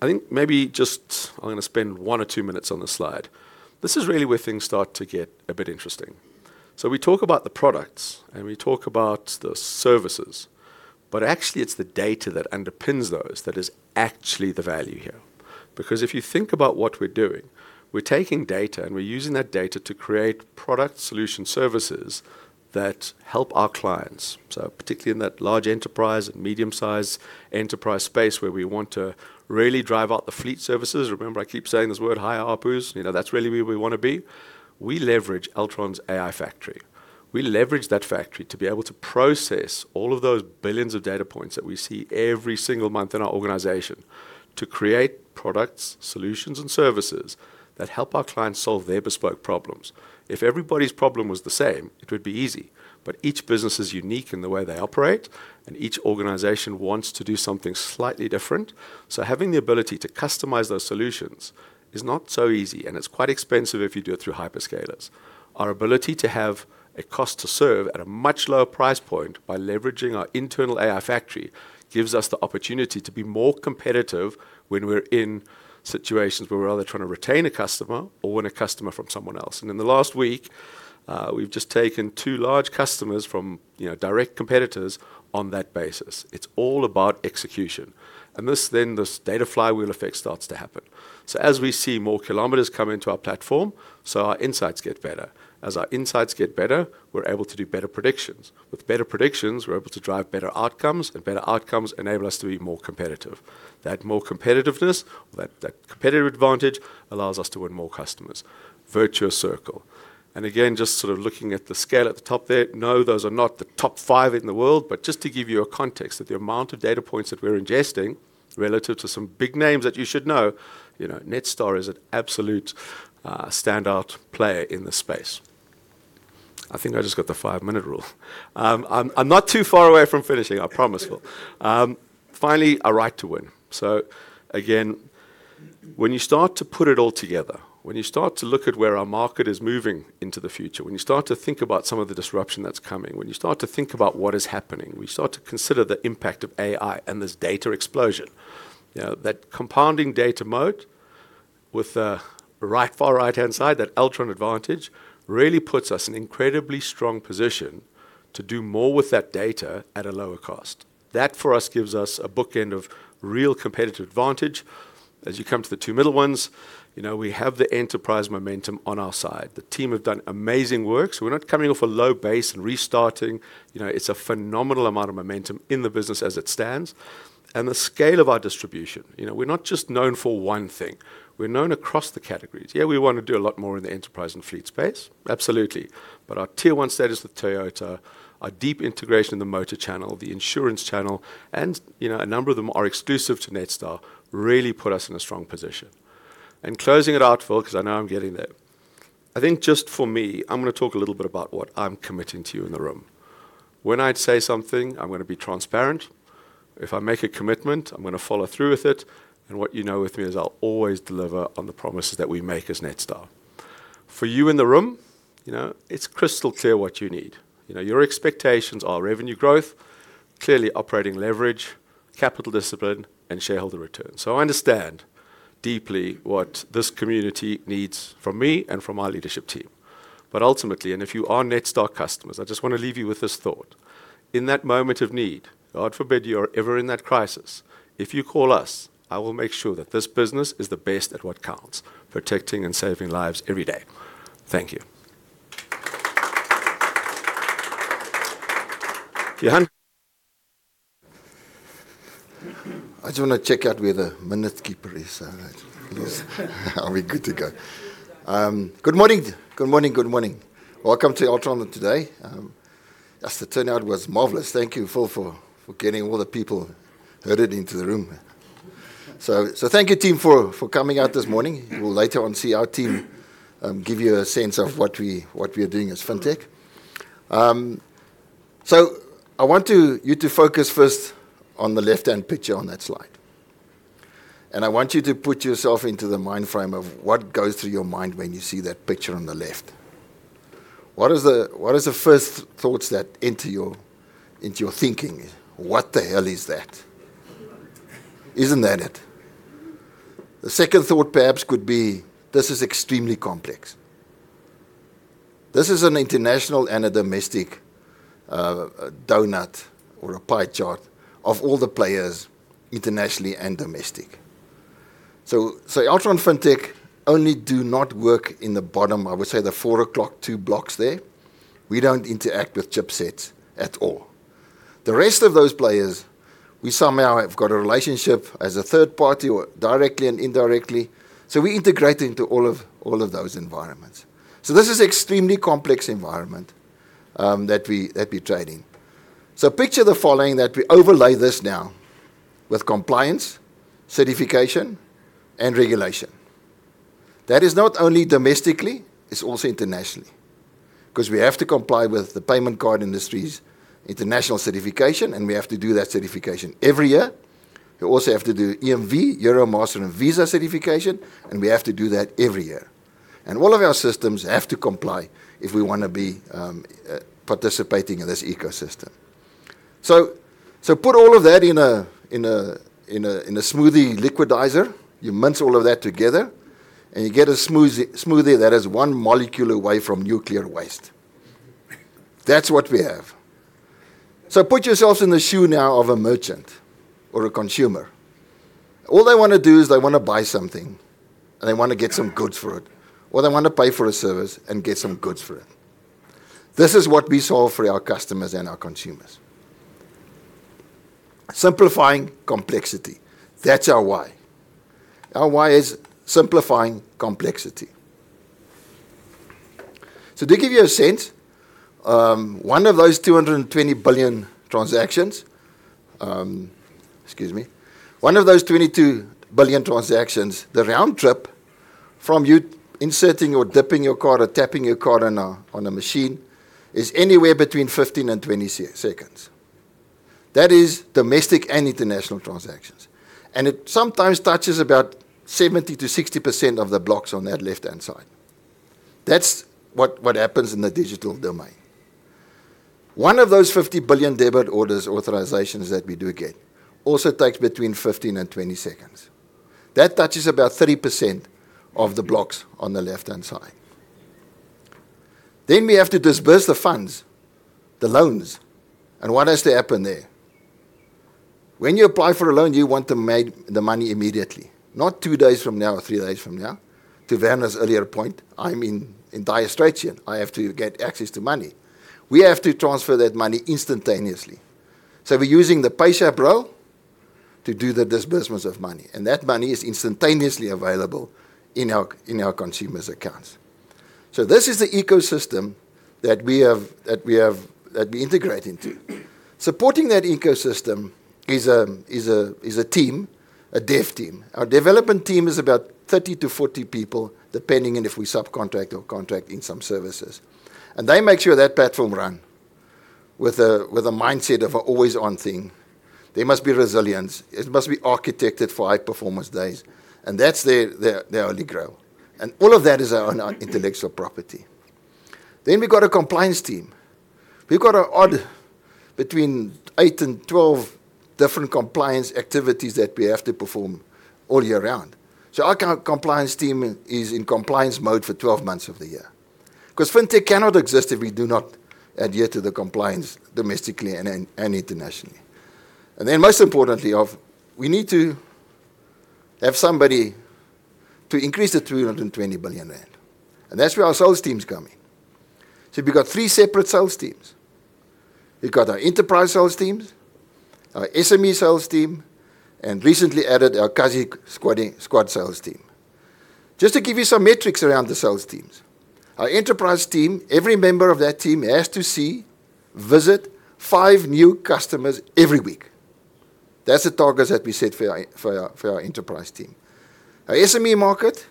I think maybe just I'm going to spend one or two minutes on this slide. This is really where things start to get a bit interesting. We talk about the products, and we talk about the services, but actually, it's the data that underpins those that is actually the value here. Because if you think about what we're doing, we're taking data, and we're using that data to create product solution services that help our clients. Particularly in that large enterprise and medium-size enterprise space where we want to really drive out the fleet services. Remember I keep saying this word higher ARPUs. That's really where we want to be. We leverage Altron's AI Factory. We leverage that factory to be able to process all of those billions of data points that we see every single month in our organization to create products, solutions, and services that help our clients solve their bespoke problems. If everybody's problem was the same, it would be easy. Each business is unique in the way they operate, and each organization wants to do something slightly different. Having the ability to customize those solutions is not so easy, and it's quite expensive if you do it through hyperscalers. Our ability to have a cost to serve at a much lower price point by leveraging our internal AI Factory gives us the opportunity to be more competitive when we're in situations where we're either trying to retain a customer or win a customer from someone else. In the last week, we've just taken two large customers from direct competitors on that basis. It's all about execution. This then, this data flywheel effect starts to happen. As we see more kilometers come into our platform, so our insights get better. As our insights get better, we're able to do better predictions. With better predictions, we're able to drive better outcomes, and better outcomes enable us to be more competitive. That more competitiveness, that competitive advantage allows us to win more customers. Virtuous circle. Again, just sort of looking at the scale at the top there, no, those are not the top five in the world. Just to give you a context that the amount of data points that we're ingesting relative to some big names that you should know, Netstar is an absolute standout player in the space. I think I just got the five-minute rule. I'm not too far away from finishing, I promise, Phil. Finally, a right to win. Again, when you start to put it all together, when you start to look at where our market is moving into the future, when you start to think about some of the disruption that's coming, when you start to think about what is happening, we start to consider the impact of AI and this data explosion. That compounding data moat with the far right-hand side, that Altron advantage, really puts us in incredibly strong position to do more with that data at a lower cost. That, for us, gives us a bookend of real competitive advantage. As you come to the two middle ones, we have the enterprise momentum on our side. The team have done amazing work, so we're not coming off a low base and restarting. It's a phenomenal amount of momentum in the business as it stands. The scale of our distribution. We're not just known for one thing. We're known across the categories. Yeah, we want to do a lot more in the enterprise and fleet space, absolutely. Our Tier 1 status with Toyota, our deep integration in the motor channel, the insurance channel, and a number of them are exclusive to Netstar, really put us in a strong position. Closing it out, Phil, because I know I'm getting there. I think just for me, I'm going to talk a little bit about what I'm committing to you in the room. When I say something, I'm going to be transparent. If I make a commitment, I'm going to follow through with it. What you know with me is I'll always deliver on the promises that we make as Netstar. For you in the room, it's crystal clear what you need. Your expectations are revenue growth, clearly operating leverage, capital discipline, and shareholder return. I understand deeply what this community needs from me and from my leadership team. Ultimately, and if you are Netstar customers, I just want to leave you with this thought. In that moment of need, God forbid you are ever in that crisis, if you call us, I will make sure that this business is the best at what counts, protecting and saving lives every day. Thank you. Johan. I just want to check out where the minute keeper is. Are we good to go? Good morning. Welcome to Altron today. Yes, the turnout was marvelous. Thank you, Phil, for getting all the people herded into the room. Thank you team for coming out this morning. We'll later on see our team give you a sense of what we are doing as fintech. I want you to focus first on the left-hand picture on that slide. I want you to put yourself into the mind frame of what goes through your mind when you see that picture on the left. What is the first thoughts that enter your thinking? What the hell is that? Isn't that it? The second thought perhaps could be, this is extremely complex. This is an international and a domestic doughnut or a pie chart of all the players internationally and domestic. Altron FinTech only do not work in the bottom, I would say the four o'clock two blocks there. We don't interact with chipsets at all. The rest of those players, we somehow have got a relationship as a third party, or directly and indirectly. We integrate into all of those environments. This is extremely complex environment that we trade in. Picture the following, that we overlay this now with compliance, certification, and regulation. That is not only domestically, it's also internationally. We have to comply with the Payment Card Industry's international certification, and we have to do that certification every year. We also have to do EMV, Europay, Mastercard, and Visa certification, and we have to do that every year. All of our systems have to comply if we want to be participating in this ecosystem. Put all of that in a smoothie liquidizer. You mince all of that together, and you get a smoothie that is one molecule away from nuclear waste. That's what we have. Put yourselves in the shoe now of a merchant or a consumer. All they want to do is they want to buy something, and they want to get some goods for it. Or they want to pay for a service and get some goods for it. This is what we solve for our customers and our consumers. Simplifying complexity. That's our why. Our why is simplifying complexity. To give you a sense, one of those 220 billion transactions, excuse me. One of those 22 billion transactions, the round trip from you inserting or dipping your card or tapping your card on a machine is anywhere between 15 and 20 seconds. That is domestic and international transactions. It sometimes touches about 70%-60% of the blocks on that left-hand side. That's what happens in the digital domain. One of those 50 billion debit orders authorizations that we do get also takes between 15 and 20 seconds. That touches about 30% of the blocks on the left-hand side. We have to disperse the funds, the loans, and what has to happen there? When you apply for a loan, you want the money immediately, not two days from now or three days from now. To Werner's earlier point, I'm in dire straits here. I have to get access to money. We have to transfer that money instantaneously. We're using the PayShap rail to do the disbursements of money, and that money is instantaneously available in our consumers' accounts. This is the ecosystem that we integrate into. Supporting that ecosystem is a team, a dev team. Our development team is about 30 to 40 people, depending on if we subcontract or contract in some services. They make sure that platform run with a mindset of an always-on thing. There must be resilience. It must be architected for high-performance days, and that's their holy grail. All of that is our intellectual property. We've got a compliance team. We've got between eight and 12 different compliance activities that we have to perform all year round. Our compliance team is in compliance mode for 12 months of the year, because FinTech cannot exist if we do not adhere to the compliance domestically and internationally. Most importantly, we need to have somebody to increase the 320 billion rand. That's where our sales teams come in. We've got three separate sales teams. We've got our enterprise sales teams, our SME sales team, and recently added our Kasi Squad sales team. Just to give you some metrics around the sales teams. Our enterprise team, every member of that team has to see, visit five new customers every week. That's the targets that we set for our enterprise team. Our SME market,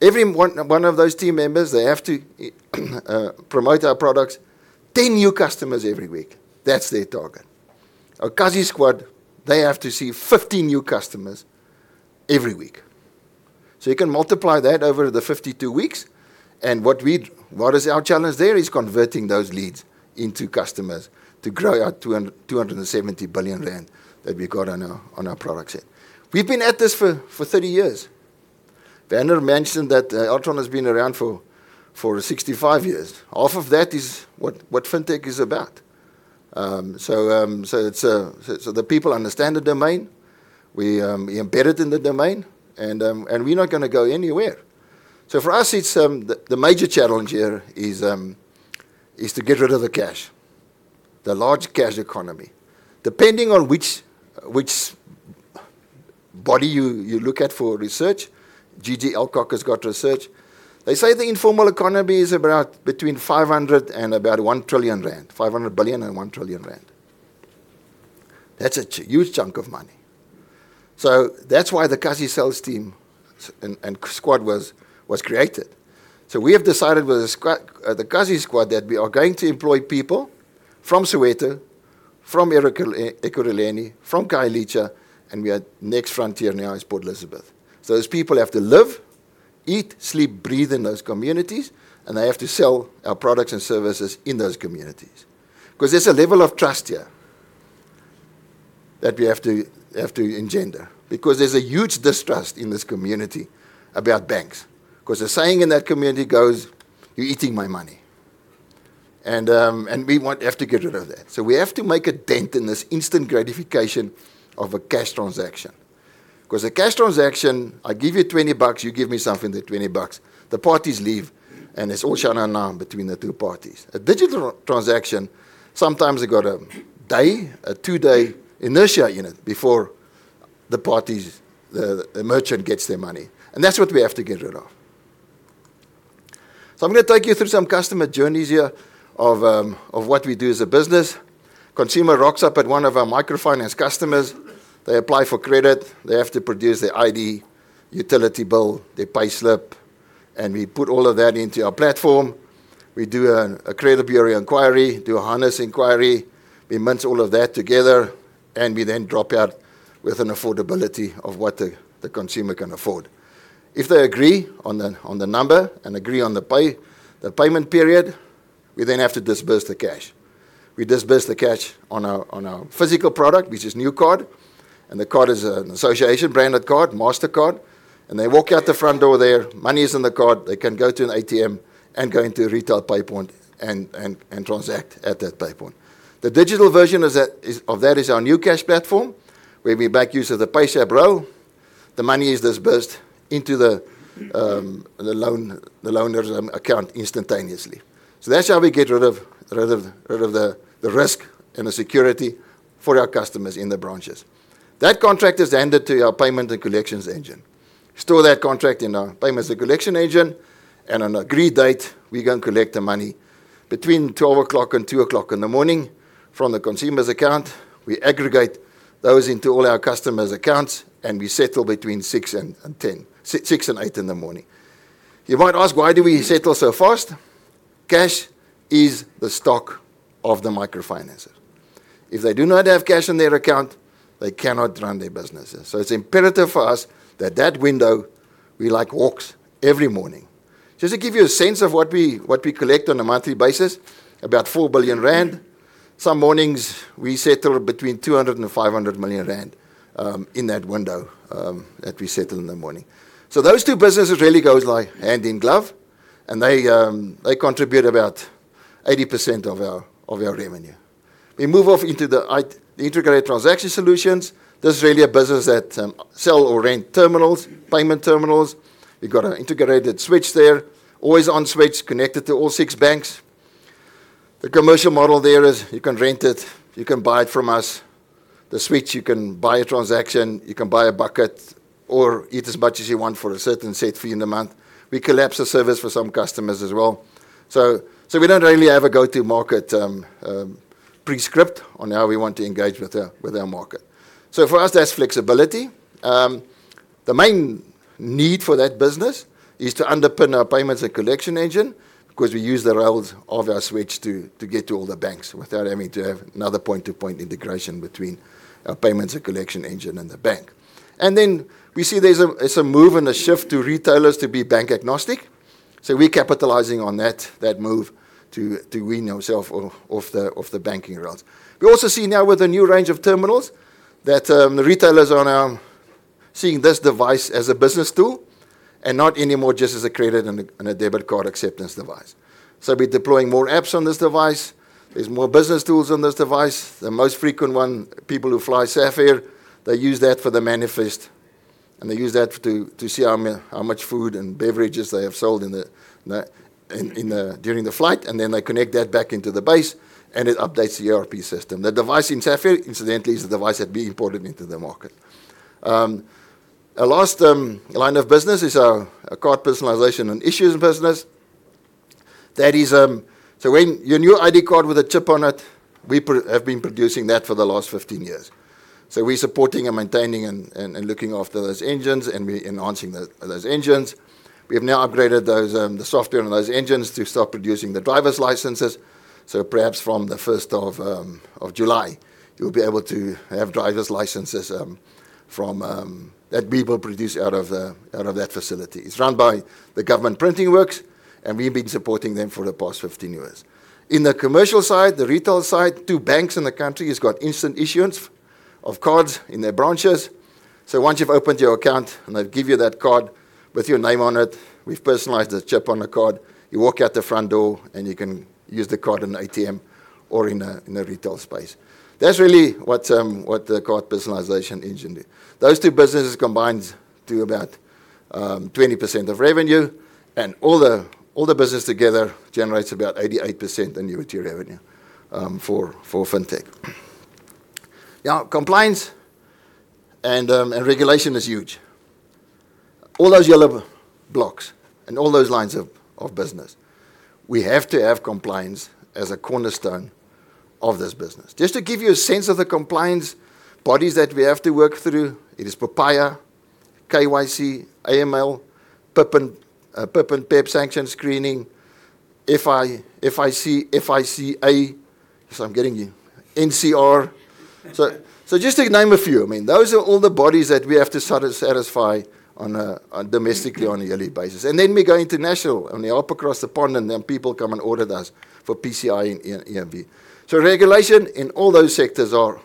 every one of those team members, they have to promote our products, 10 new customers every week. That's their target. Our Kasi Squad, they have to see 50 new customers every week. You can multiply that over the 52 weeks and what is our challenge there is converting those leads into customers to grow our 270 billion rand that we got on our product set. We've been at this for 30 years. Werner mentioned that Altron has been around for 65 years. Half of that is what FinTech is about. The people understand the domain. We embed it in the domain, and we're not going to go anywhere. For us, the major challenge here is to get rid of the cash, the large cash economy. Depending on which body you look at for research, GG Alcock has got research. They say the informal economy is about between 500 billion and about 1 trillion rand, 500 billion, and 1 trillion rand. That's a huge chunk of money. That's why the Kasi Squad sales team and squad was created. We have decided with the Kasi Squad that we are going to employ people from Soweto, from Ekurhuleni, from Khayelitsha, and we are next frontier now is Port Elizabeth. Those people have to live, eat, sleep, breathe in those communities, and they have to sell our products and services in those communities. There's a level of trust here that we have to engender because there's a huge distrust in this community about banks. The saying in that community goes, "You're eating my money." We have to get rid of that. We have to make a dent in this instant gratification of a cash transaction. A cash transaction, I give you ZAR 20, you give me something, the ZAR 20, the parties leave, and it's all sha na na between the two parties. A digital transaction, sometimes you got a day, a two-day inertia unit before the merchant gets their money. That's what we have to get rid of. I'm going to take you through some customer journeys here of what we do as a business. Consumer rocks up at one of our microfinance customers. They apply for credit. They have to produce their ID, utility bill, their payslip. We put all of that into our platform. We do a credit bureau inquiry, do a HANIS inquiry. We mince all of that together. We then drop out with an affordability of what the consumer can afford. If they agree on the number and agree on the payment period, we then have to disburse the cash. We disburse the cash on our physical product, which is NuCard. The card is an association-branded card, Mastercard, and they walk out the front door there. Money is in the card. They can go to an ATM and go into a retail pay point and transact at that pay point. The digital version of that is our NuCash platform, where we make use of the PayShap. The money is disbursed into the loan owner's account instantaneously. That's how we get rid of the risk and the security for our customers in the branches. That contract is handed to our payment and collections engine. Store that contract in our payments and collection engine. On agreed date, we go and collect the money between 12:00 and 2:00 in the morning from the consumer's account. We aggregate those into all our customers' accounts. We settle between 6:00 and 8:00 in the morning. You might ask, why do we settle so fast? Cash is the stock of the microfinancier. If they do not have cash in their account, they cannot run their businesses. It's imperative for us that that window, we like walks every morning. Just to give you a sense of what we collect on a monthly basis, about 4 billion rand. Some mornings, we settle between 200 million rand and 500 million rand in that window that we settle in the morning. Those two businesses really go like hand in glove. They contribute about 80% of our revenue. We move off into the integrated transaction solutions. This is really a business that sell or rent terminals, payment terminals. We've got an integrated switch there, always on switch, connected to all six banks. The commercial model there is you can rent it, you can buy it from us. The switch, you can buy a transaction, you can buy a bucket or eat as much as you want for a certain set fee in a month. We collapse the service for some customers as well. We don't really have a go-to market prescript on how we want to engage with our market. For us, that's flexibility. The main need for that business is to underpin our payments and collection engine because we use the rails of our switch to get to all the banks without having to have another point-to-point integration between our payments and collection engine and the bank. Then we see there's a move and a shift to retailers to be bank agnostic. We're capitalizing on that move to wean ourself off the banking rails. We also see now with a new range of terminals that the retailers are now seeing this device as a business tool and not anymore just as a credit and a debit card acceptance device. We're deploying more apps on this device. There's more business tools on this device. The most frequent one, people who fly FlySafair, they use that for the manifest, and they use that to see how much food and beverages they have sold during the flight, and then they connect that back into the base, and it updates the ERP system. The device in FlySafair, incidentally, is the device that we imported into the market. Our last line of business is our card personalization and issues business. Your Smart ID card with a chip on it, we have been producing that for the last 15 years. We're supporting and maintaining and looking after those engines, and we're enhancing those engines. We have now upgraded the software on those engines to start producing the driver's licenses. Perhaps from the 1st of July, you'll be able to have driver's licenses that we will produce out of that facility. It's run by the Government Printing Works, and we've been supporting them for the past 15 years. In the commercial side, the retail side, two banks in the country has got instant issuance of cards in their branches. Once you've opened your account and they give you that card with your name on it, we've personalized the chip on the card. You walk out the front door, and you can use the card in an ATM or in a retail space. That's really what the card personalization engine did. Those two businesses combined do about 20% of revenue, and all the business together generates about 88% annuity revenue for FinTech. Now, compliance and regulation is huge. All those yellow blocks and all those lines of business, we have to have compliance as a cornerstone of this business. Just to give you a sense of the compliance bodies that we have to work through, it is POPIA, KYC, AML, PEP and PEP sanction screening, FICA. I'm getting there. NCR. Just to name a few. Those are all the bodies that we have to satisfy domestically on a yearly basis. We go international and we hop across the pond, people come and audit us for PCI and EMV. Regulation in all those sectors are.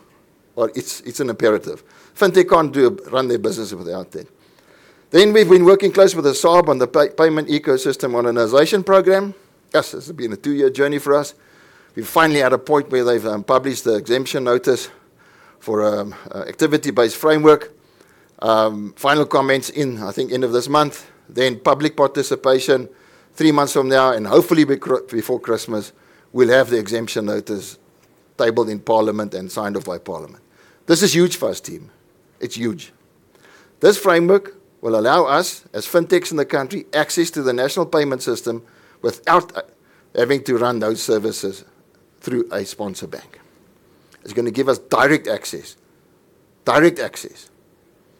It's an imperative. FinTech can't run their business without that. We've been working closely with the SARB on the Payments Ecosystem Modernisation program. Yes, this has been a two-year journey for us. We're finally at a point where they've published the exemption notice for activity-based framework. Final comment's in, I think, end of this month. Public participation three months from now, Hopefully before Christmas, we'll have the exemption notice tabled in Parliament and signed off by Parliament. This is huge for us, team. It's huge. This framework will allow us, as FinTechs in the country, access to the national payment system without having to run those services through a sponsor bank. It's going to give us direct access.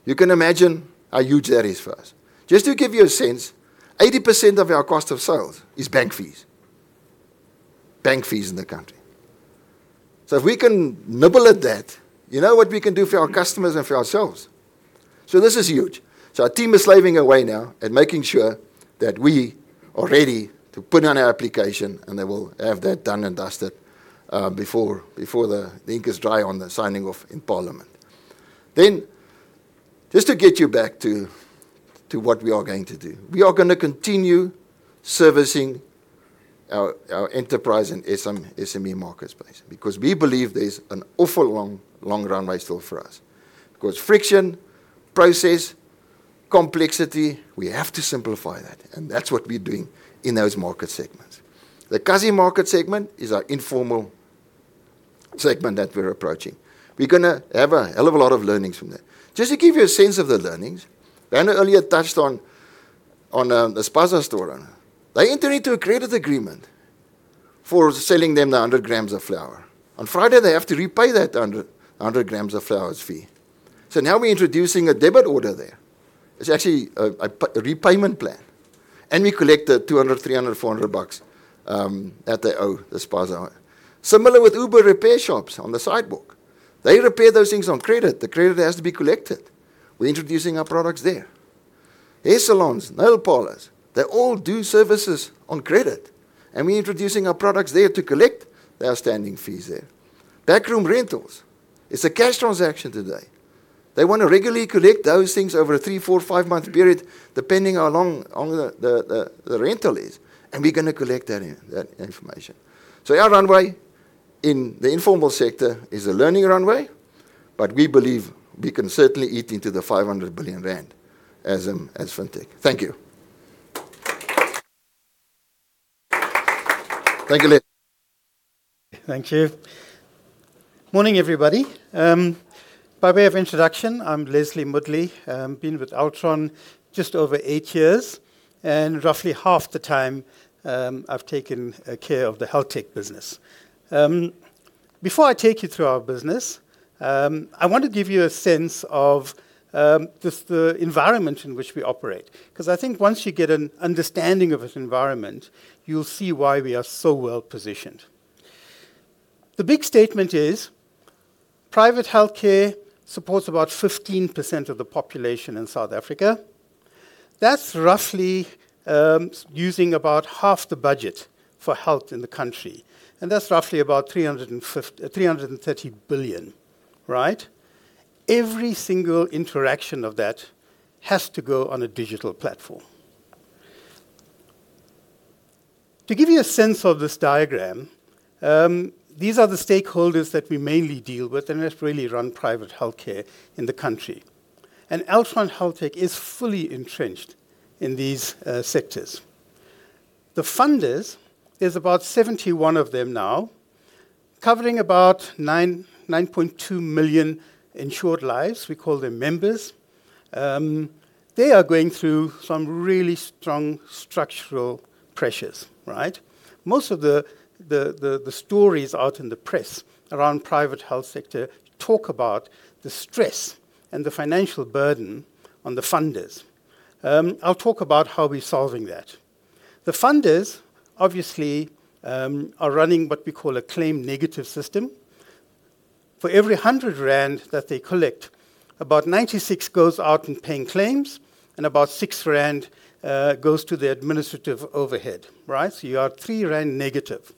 You can imagine how huge that is for us. Just to give you a sense, 80% of our cost of sales is bank fees. Bank fees in the country. If we can nibble at that, you know what we can do for our customers and for ourselves. This is huge. Our team is slaving away now at making sure that we are ready to put in our application, and they will have that done and dusted before the ink is dry on the signing off in Parliament. Just to get you back to what we are going to do. We are going to continue servicing our enterprise and SME marketplace because we believe there is an awful long runway still for us. Friction, process, complexity, we have to simplify that, and that is what we are doing in those market segments. The Kasi market segment is our informal segment that we are approaching. We are going to have a hell of a lot of learnings from that. Just to give you a sense of the learnings, Brandon earlier touched on the spaza store owner. They enter into a credit agreement for selling them the 100 grams of flour. On Friday, they have to repay that 100 grams of flour's fee. Now we are introducing a debit order there. It is actually a repayment plan. We collect the 200, 300, 400 bucks that they owe the spaza owner. Similar with Uber repair shops on the sidewalk. They repair those things on credit. The credit has to be collected. We are introducing our products there. Hair salons, nail parlors, they all do services on credit. We are introducing our products there to collect their outstanding fees there. Backroom rentals is a cash transaction today. They want to regularly collect those things over a three, four, five-month period, depending how long the rental is, and we are going to collect that information. Our runway in the informal sector is a learning runway. We believe we can certainly eat into the 500 billion rand as FinTech. Thank you. Thank you. Morning, everybody. By way of introduction, I am Leslie Moodley. Been with Altron just over eight years, and roughly half the time, I have taken care of the HealthTech business. Before I take you through our business, I want to give you a sense of just the environment in which we operate, because I think once you get an understanding of this environment, you will see why we are so well-positioned. The big statement is private healthcare supports about 15% of the population in South Africa. That is roughly using about half the budget for health in the country, and that is roughly about 330 billion ZAR, right? Every single interaction of that has to go on a digital platform. To give you a sense of this diagram, these are the stakeholders that we mainly deal with, and that really run private healthcare in the country. Altron HealthTech is fully entrenched in these sectors. The funders, there are about 71 of them now, covering about 9.2 million insured lives. We call them members. They are going through some really strong structural pressures, right? Most of the stories out in the press around private health sector talk about the stress and the financial burden on the funders. I will talk about how we are solving that. The funders, obviously, are running what we call a claim negative system. For every 100 rand that they collect, about 96 goes out in paying claims and about 6 rand goes to the administrative overhead, right? You are 3 rand negative.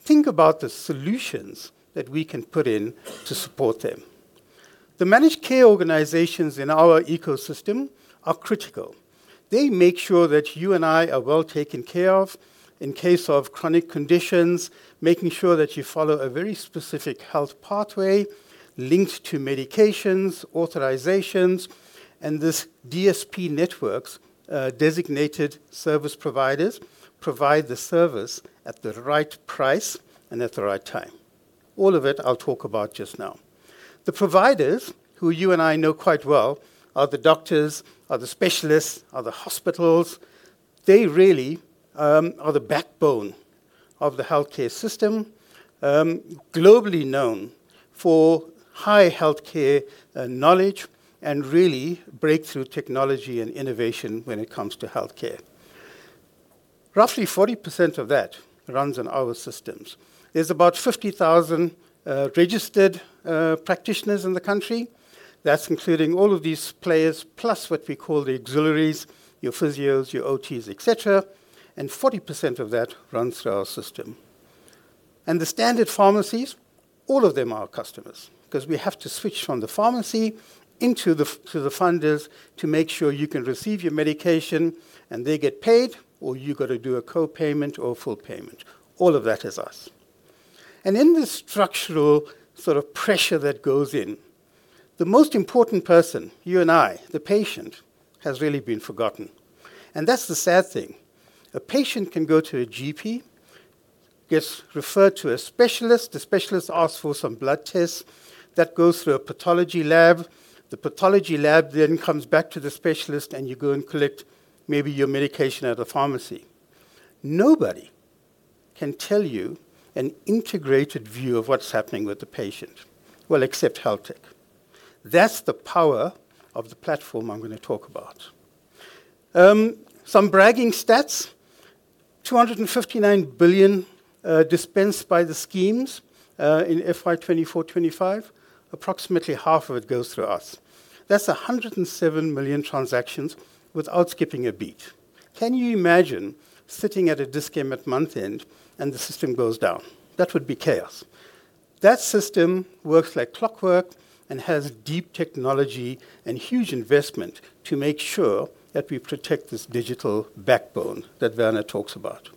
Think about the solutions that we can put in to support them. The managed care organizations in our ecosystem are critical. They make sure that you and I are well taken care of in case of chronic conditions, making sure that you follow a very specific health pathway linked to medications, authorizations. These DSP networks, designated service providers, provide the service at the right price and at the right time. All of it I will talk about just now. The providers, who you and I know quite well, are the doctors, are the specialists, are the hospitals. They really are the backbone of the healthcare system, globally known for high healthcare knowledge and really breakthrough technology and innovation when it comes to healthcare. Roughly 40% of that runs on our systems. There is about 50,000 registered practitioners in the country. That is including all of these players, plus what we call the auxiliaries, your physios, your OTs, et cetera, and 40% of that runs through our system. The standard pharmacies, all of them are our customers because we have to switch from the pharmacy to the funders to make sure you can receive your medication and they get paid, or you got to do a co-payment or full payment. All of that is us. In this structural sort of pressure that goes in, the most important person, you and I, the patient, has really been forgotten, and that is the sad thing. A patient can go to a GP, gets referred to a specialist. The specialist asks for some blood tests. That goes through a pathology lab. The pathology lab then comes back to the specialist, and you go and collect maybe your medication at a pharmacy. Nobody can tell you an integrated view of what is happening with the patient. Well, except HealthTech. That is the power of the platform I am going to talk about. Some bragging stats, 259 billion dispensed by the schemes in FY 2024/2025, approximately half of it goes through us. That is 107 million transactions without skipping a beat. Can you imagine sitting at a desk at month-end and the system goes down? That would be chaos. That system works like clockwork and has deep technology and huge investment to make sure that we protect this digital backbone that Werner talks about.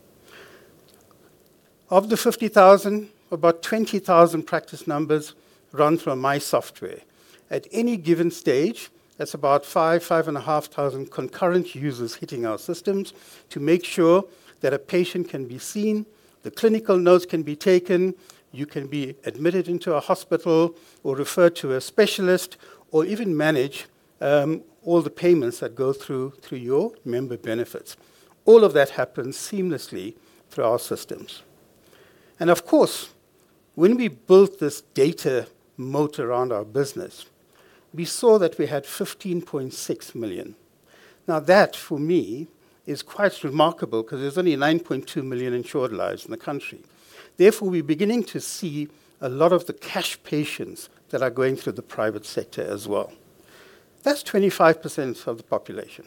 Of the 50,000, about 20,000 practice numbers run through my software. At any given stage, that is about 5,500 concurrent users hitting our systems to make sure that a patient can be seen, the clinical notes can be taken, you can be admitted into a hospital or referred to a specialist, or even manage all the payments that go through your member benefits. All of that happens seamlessly through our systems. Of course, when we built this data moat around our business, we saw that we had 15.6 million. Now that, for me, is quite remarkable because there is only 9.2 million insured lives in the country. Therefore, we are beginning to see a lot of the cash patients that are going through the private sector as well. That is 25% of the population.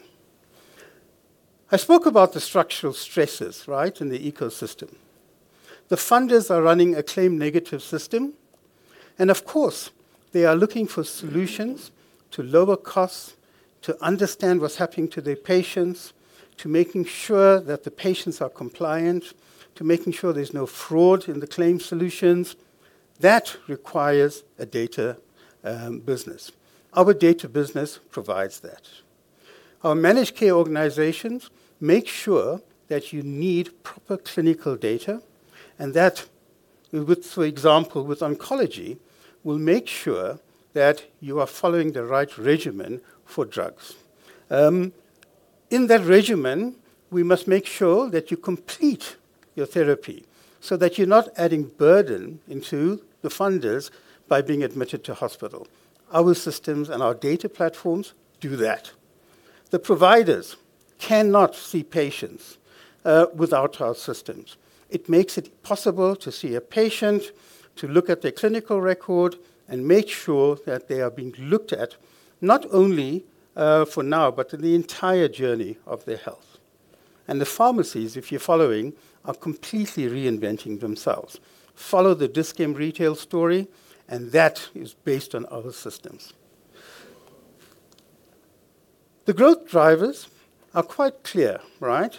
I spoke about the structural stresses, right, in the ecosystem. The funders are running a claim-negative system, and of course, they are looking for solutions to lower costs. To understand what is happening to their patients, to making sure that the patients are compliant, to making sure there is no fraud in the claim solutions. That requires a data business. Our data business provides that. Our managed care organizations make sure that you need proper clinical data, and that with, for example, oncology, will make sure that you are following the right regimen for drugs. In that regimen, we must make sure that you complete your therapy so that you're not adding burden to the funders by being admitted to hospital. Our systems and our data platforms do that. The providers cannot see patients without our systems. It makes it possible to see a patient, to look at their clinical record and make sure that they are being looked at not only for now, but in the entire journey of their health. The pharmacies, if you're following, are completely reinventing themselves. Follow the Dis-Chem Retail story, and that is based on our systems. The growth drivers are quite clear, right?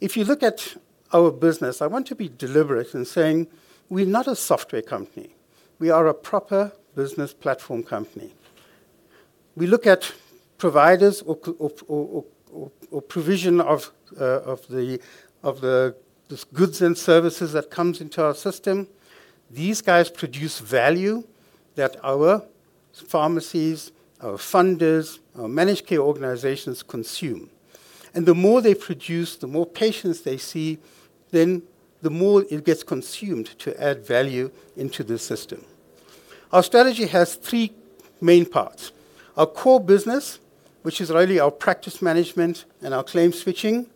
If you look at our business, I want to be deliberate in saying we're not a software company. We are a proper business platform company. We look at providers or provision of the goods and services that comes into our system. These guys produce value that our pharmacies, our funders, our managed care organizations consume. The more they produce, the more patients they see, then the more it gets consumed to add value into the system. Our strategy has three main parts. Our core business, which is really our practice management and our claim switching,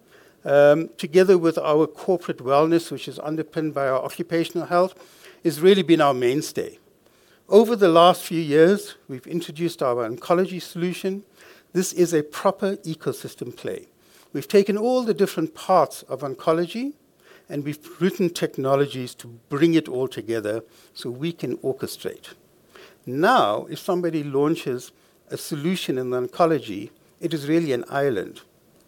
together with our corporate wellness, which is underpinned by our occupational health, has really been our mainstay. Over the last few years, we've introduced our oncology solution. This is a proper ecosystem play. We've taken all the different parts of oncology, and we've written technologies to bring it all together so we can orchestrate. Now, if somebody launches a solution in oncology, it is really an island.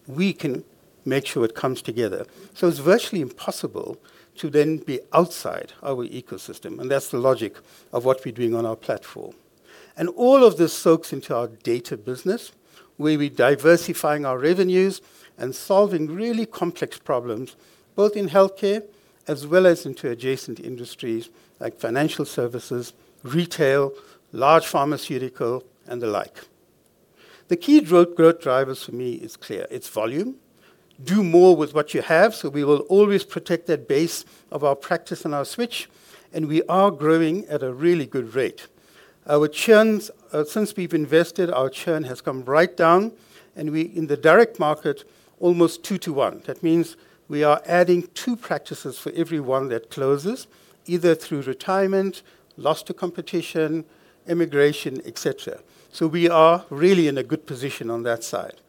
We can make sure it comes together. It's virtually impossible to then be outside our ecosystem, and that's the logic of what we're doing on our platform. All of this soaks into our data business, where we're diversifying our revenues and solving really complex problems, both in healthcare as well as into adjacent industries like financial services, retail, large pharmaceutical, and the like. The key growth drivers for me is clear. It's volume. Do more with what you have, so we will always protect that base of our practice and our switch, and we are growing at a really good rate. Our churns, since we've invested, our churn has come right down, and we, in the direct market, almost two to one. That means we are adding two practices for every one that closes, either through retirement, lost to competition, immigration, et cetera. We are really in a good position on that side.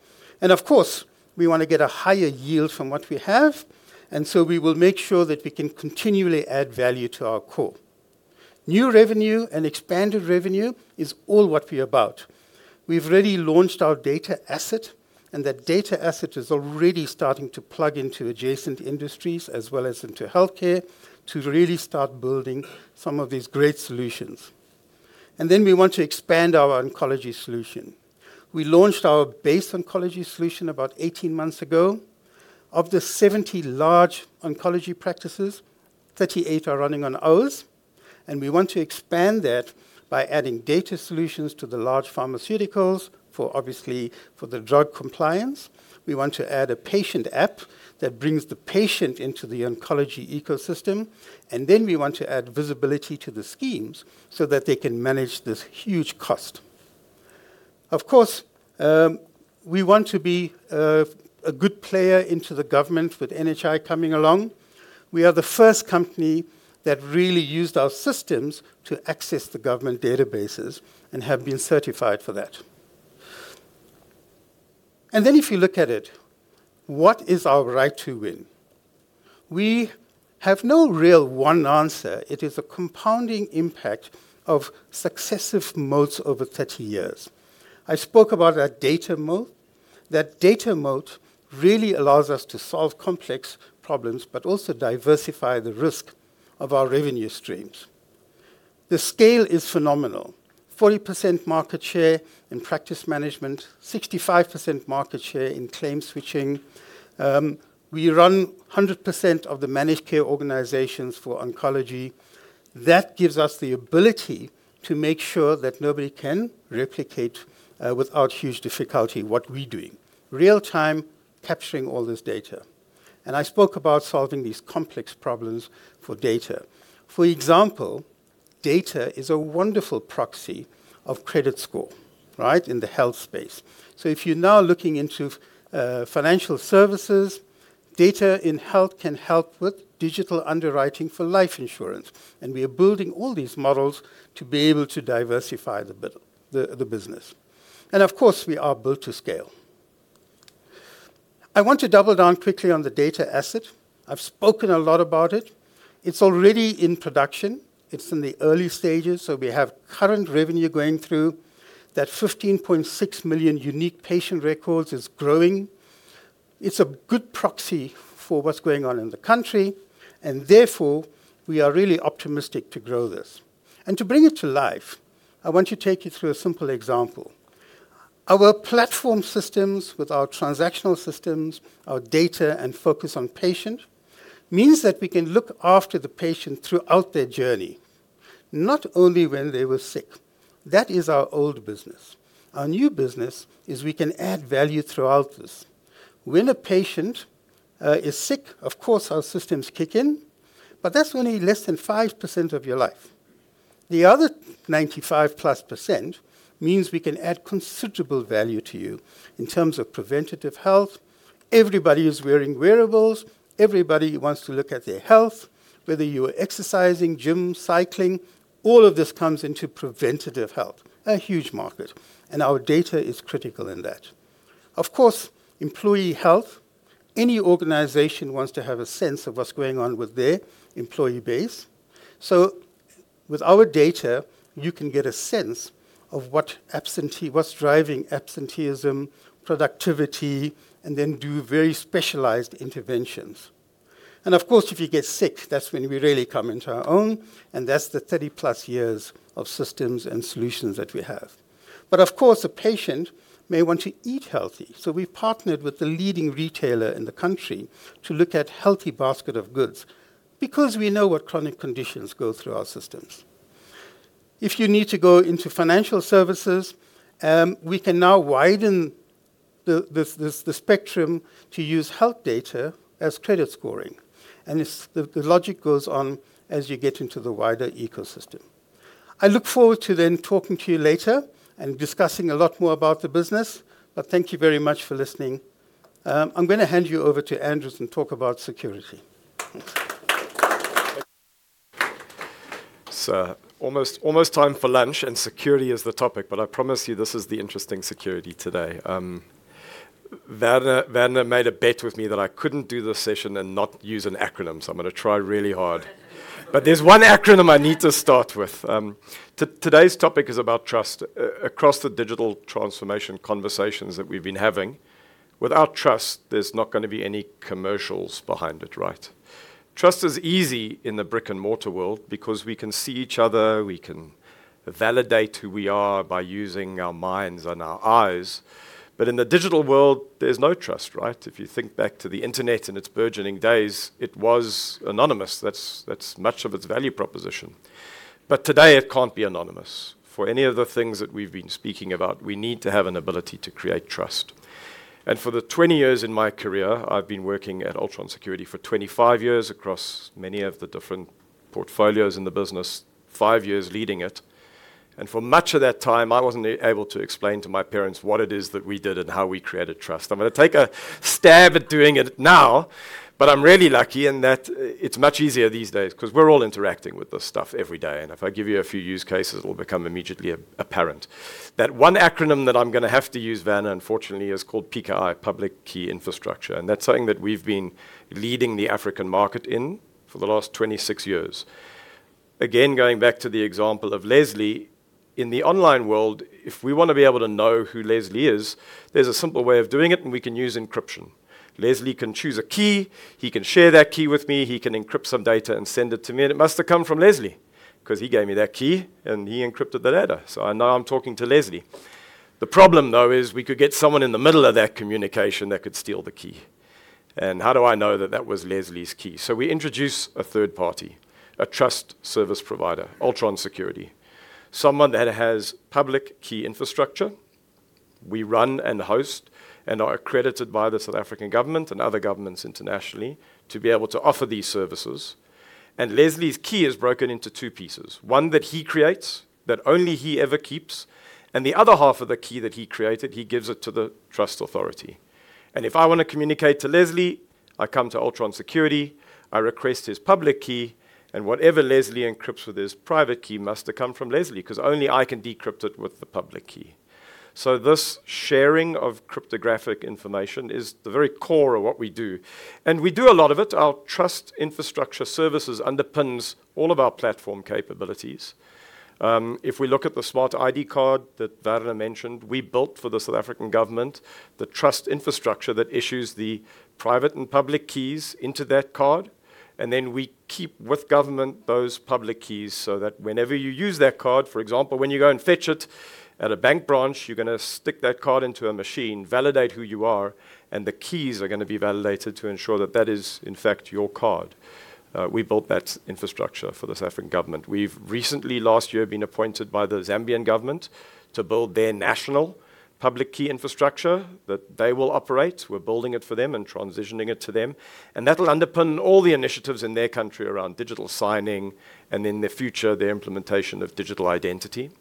Of course, we want to get a higher yield from what we have, and so we will make sure that we can continually add value to our core. New revenue and expanded revenue is all what we're about. We've already launched our data asset, and that data asset is already starting to plug into adjacent industries as well as into healthcare to really start building some of these great solutions. Then we want to expand our oncology solution. We launched our base oncology solution about 18 months ago. Of the 70 large oncology practices, 38 are running on ours. We want to expand that by adding data solutions to the large pharmaceuticals for, obviously, the drug compliance. We want to add a patient app that brings the patient into the oncology ecosystem. Then we want to add visibility to the schemes so that they can manage this huge cost. Of course, we want to be a good player into the government with NHI coming along. We are the first company that really used our systems to access the government databases and have been certified for that. If you look at it, what is our right to win? We have no real one answer. It is a compounding impact of successive moats over 30 years. I spoke about our data moat. That data moat really allows us to solve complex problems, but also diversify the risk of our revenue streams. The scale is phenomenal. 40% market share in practice management, 65% market share in claim switching. We run 100% of the managed care organizations for oncology. That gives us the ability to make sure that nobody can replicate, without huge difficulty, what we're doing. Real-time capturing all this data. I spoke about solving these complex problems for data. For example, data is a wonderful proxy of credit score, right, in the health space. If you're now looking into financial services, data in health can help with digital underwriting for life insurance, and we are building all these models to be able to diversify the business. Of course, we are built to scale. I want to double down quickly on the data asset. I've spoken a lot about it. It's already in production. It's in the early stages, so we have current revenue going through. That 15.6 million unique patient records is growing. It's a good proxy for what's going on in the country, and therefore, we are really optimistic to grow this. To bring it to life, I want to take you through a simple example. Our platform systems with our transactional systems, our data, and focus on patient, means that we can look after the patient throughout their journey, not only when they were sick. That is our old business. Our new business is we can add value throughout this. When a patient is sick, of course, our systems kick in, but that's only less than 5% of your life. The other 95% plus means we can add considerable value to you in terms of preventative health. Everybody is wearing wearables. Everybody wants to look at their health, whether you are exercising, gym, cycling, all of this comes into preventative health, a huge market, and our data is critical in that. Of course, employee health, any organization wants to have a sense of what's going on with their employee base. With our data, you can get a sense of what's driving absenteeism, productivity, and then do very specialized interventions. Of course, if you get sick, that's when we really come into our own, and that's the 30 plus years of systems and solutions that we have. Of course, a patient may want to eat healthy, so we've partnered with the leading retailer in the country to look at healthy basket of goods because we know what chronic conditions go through our systems. If you need to go into financial services, we can now widen the spectrum to use health data as credit scoring. The logic goes on as you get into the wider ecosystem. I look forward to then talking to you later and discussing a lot more about the business. Thank you very much for listening. I'm going to hand you over to Andrew and talk about security. It's almost time for lunch, security is the topic, I promise you, this is the interesting security today. Werner made a bet with me that I couldn't do this session and not use an acronym, I'm going to try really hard. There's one acronym I need to start with. Today's topic is about trust across the digital transformation conversations that we've been having. Without trust, there's not going to be any commercials behind it, right? Trust is easy in the brick-and-mortar world because we can see each other, we can validate who we are by using our minds and our eyes. In the digital world, there's no trust, right? If you think back to the internet in its burgeoning days, it was anonymous. That's much of its value proposition. Today, it can't be anonymous. For any of the things that we've been speaking about, we need to have an ability to create trust. For the 20 years in my career, I've been working at Altron Security for 25 years across many of the different portfolios in the business, five years leading it. For much of that time, I wasn't able to explain to my parents what it is that we did and how we created trust. I'm going to take a stab at doing it now, I'm really lucky in that it's much easier these days because we're all interacting with this stuff every day. If I give you a few use cases, it will become immediately apparent. That one acronym that I'm going to have to use, Werner, unfortunately, is called PKI, Public Key Infrastructure, that's something that we've been leading the African market in for the last 26 years. Again, going back to the example of Leslie, in the online world, if we want to be able to know who Leslie is, there's a simple way of doing it, we can use encryption. Leslie can choose a key, he can share that key with me, he can encrypt some data and send it to me, it must have come from Leslie because he gave me that key and he encrypted the data. I know I'm talking to Leslie. The problem, though, is we could get someone in the middle of that communication that could steal the key. How do I know that that was Leslie's key? We introduce a third party, a trust service provider, Altron Security, someone that has Public Key Infrastructure. We run and host and are accredited by the South African government and other governments internationally to be able to offer these services. Leslie's key is broken into two pieces, one that he creates that only he ever keeps, and the other half of the key that he created, he gives it to the trust authority. If I want to communicate to Leslie, I come to Altron Security, I request his public key, and whatever Leslie encrypts with his private key must have come from Leslie because only I can decrypt it with the public key. This sharing of cryptographic information is the very core of what we do. We do a lot of it. Our trust infrastructure services underpins all of our platform capabilities. If we look at the Smart ID card that Werner mentioned, we built for the South African government the trust infrastructure that issues the private and public keys into that card, and then we keep with government those public keys so that whenever you use that card, for example, when you go and fetch it at a bank branch, you're going to stick that card into a machine, validate who you are, and the keys are going to be validated to ensure that that is, in fact, your card. We built that infrastructure for the South African government. We've recently, last year, been appointed by the Zambian government to build their national Public Key Infrastructure that they will operate. We're building it for them and transitioning it to them. That'll underpin all the initiatives in their country around digital signing and in the future, their implementation of digital identity.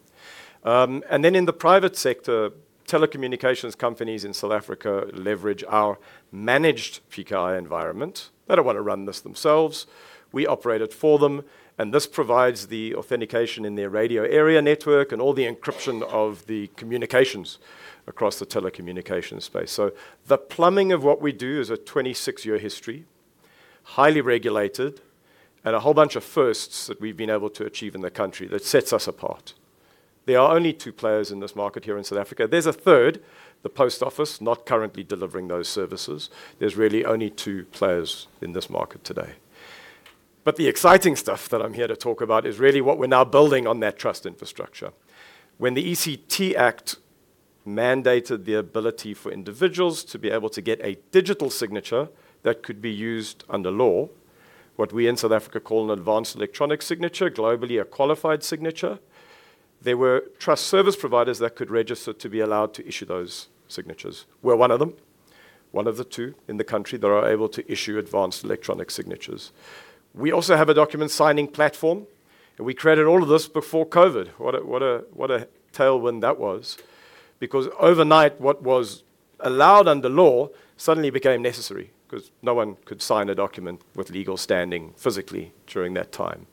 Then in the private sector, telecommunications companies in South Africa leverage our managed PKI environment. They don't want to run this themselves. We operate it for them, and this provides the authentication in their radio area network and all the encryption of the communications across the telecommunications space. The plumbing of what we do is a 26-year history. Highly regulated and a whole bunch of firsts that we've been able to achieve in the country that sets us apart. There are only two players in this market here in South Africa. There's a third, the post office, not currently delivering those services. There's really only two players in this market today. The exciting stuff that I'm here to talk about is really what we're now building on that trust infrastructure. When the ECT Act mandated the ability for individuals to be able to get a digital signature that could be used under law, what we in South Africa call an advanced electronic signature, globally a qualified signature, there were trust service providers that could register to be allowed to issue those signatures. We're one of them, one of the two in the country that are able to issue advanced electronic signatures. We also have a document signing platform, we created all of this before COVID. What a tailwind that was because overnight, what was allowed under law suddenly became necessary because no one could sign a document with legal standing physically during that time.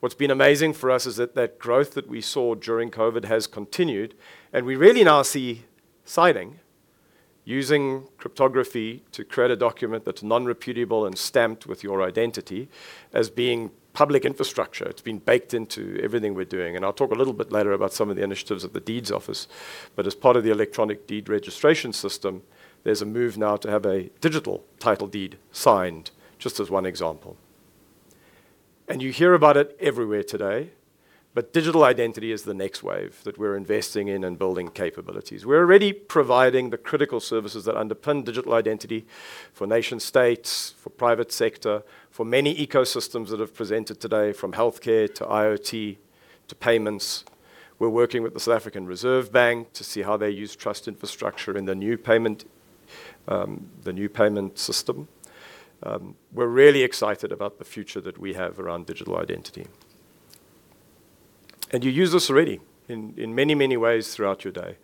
What's been amazing for us is that that growth that we saw during COVID has continued. We really now see signing using cryptography to create a document that's non-repudiable and stamped with your identity as being public infrastructure. It's been baked into everything we're doing, and I'll talk a little bit later about some of the initiatives at the Deeds Office. As part of the Electronic Deed Registration System, there's a move now to have a digital title deed signed, just as one example. You hear about it everywhere today, but digital identity is the next wave that we're investing in and building capabilities. We're already providing the critical services that underpin digital identity for nation-states, for private sector, for many ecosystems that have presented today from healthcare to IoT to payments. We're working with the South African Reserve Bank to see how they use trust infrastructure in the new payment system. We're really excited about the future that we have around digital identity. You use this already in many, many ways throughout your day.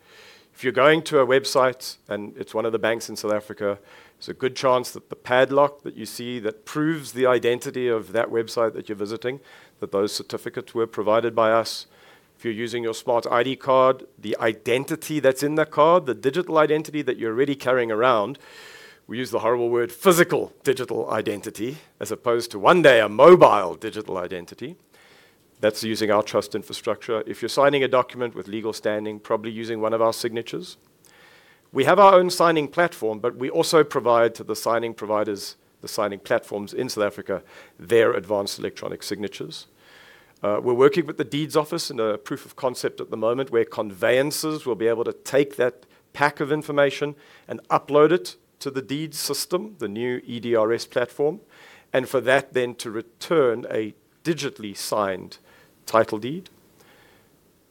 If you're going to a website and it's one of the banks in South Africa, there's a good chance that the padlock that you see that proves the identity of that website that you're visiting, that those certificates were provided by us. If you're using your Smart ID card, the identity that's in the card, the digital identity that you're already carrying around. We use the horrible word physical digital identity, as opposed to one day a mobile digital identity, that's using our trust infrastructure. If you're signing a document with legal standing, probably using one of our signatures. We have our own signing platform. We also provide to the signing providers, the signing platforms in South Africa, their advanced electronic signatures. We're working with the Deeds Office in a proof of concept at the moment where conveyancers will be able to take that pack of information and upload it to the deeds system, the new EDRS platform, and for that then to return a digitally signed title deed.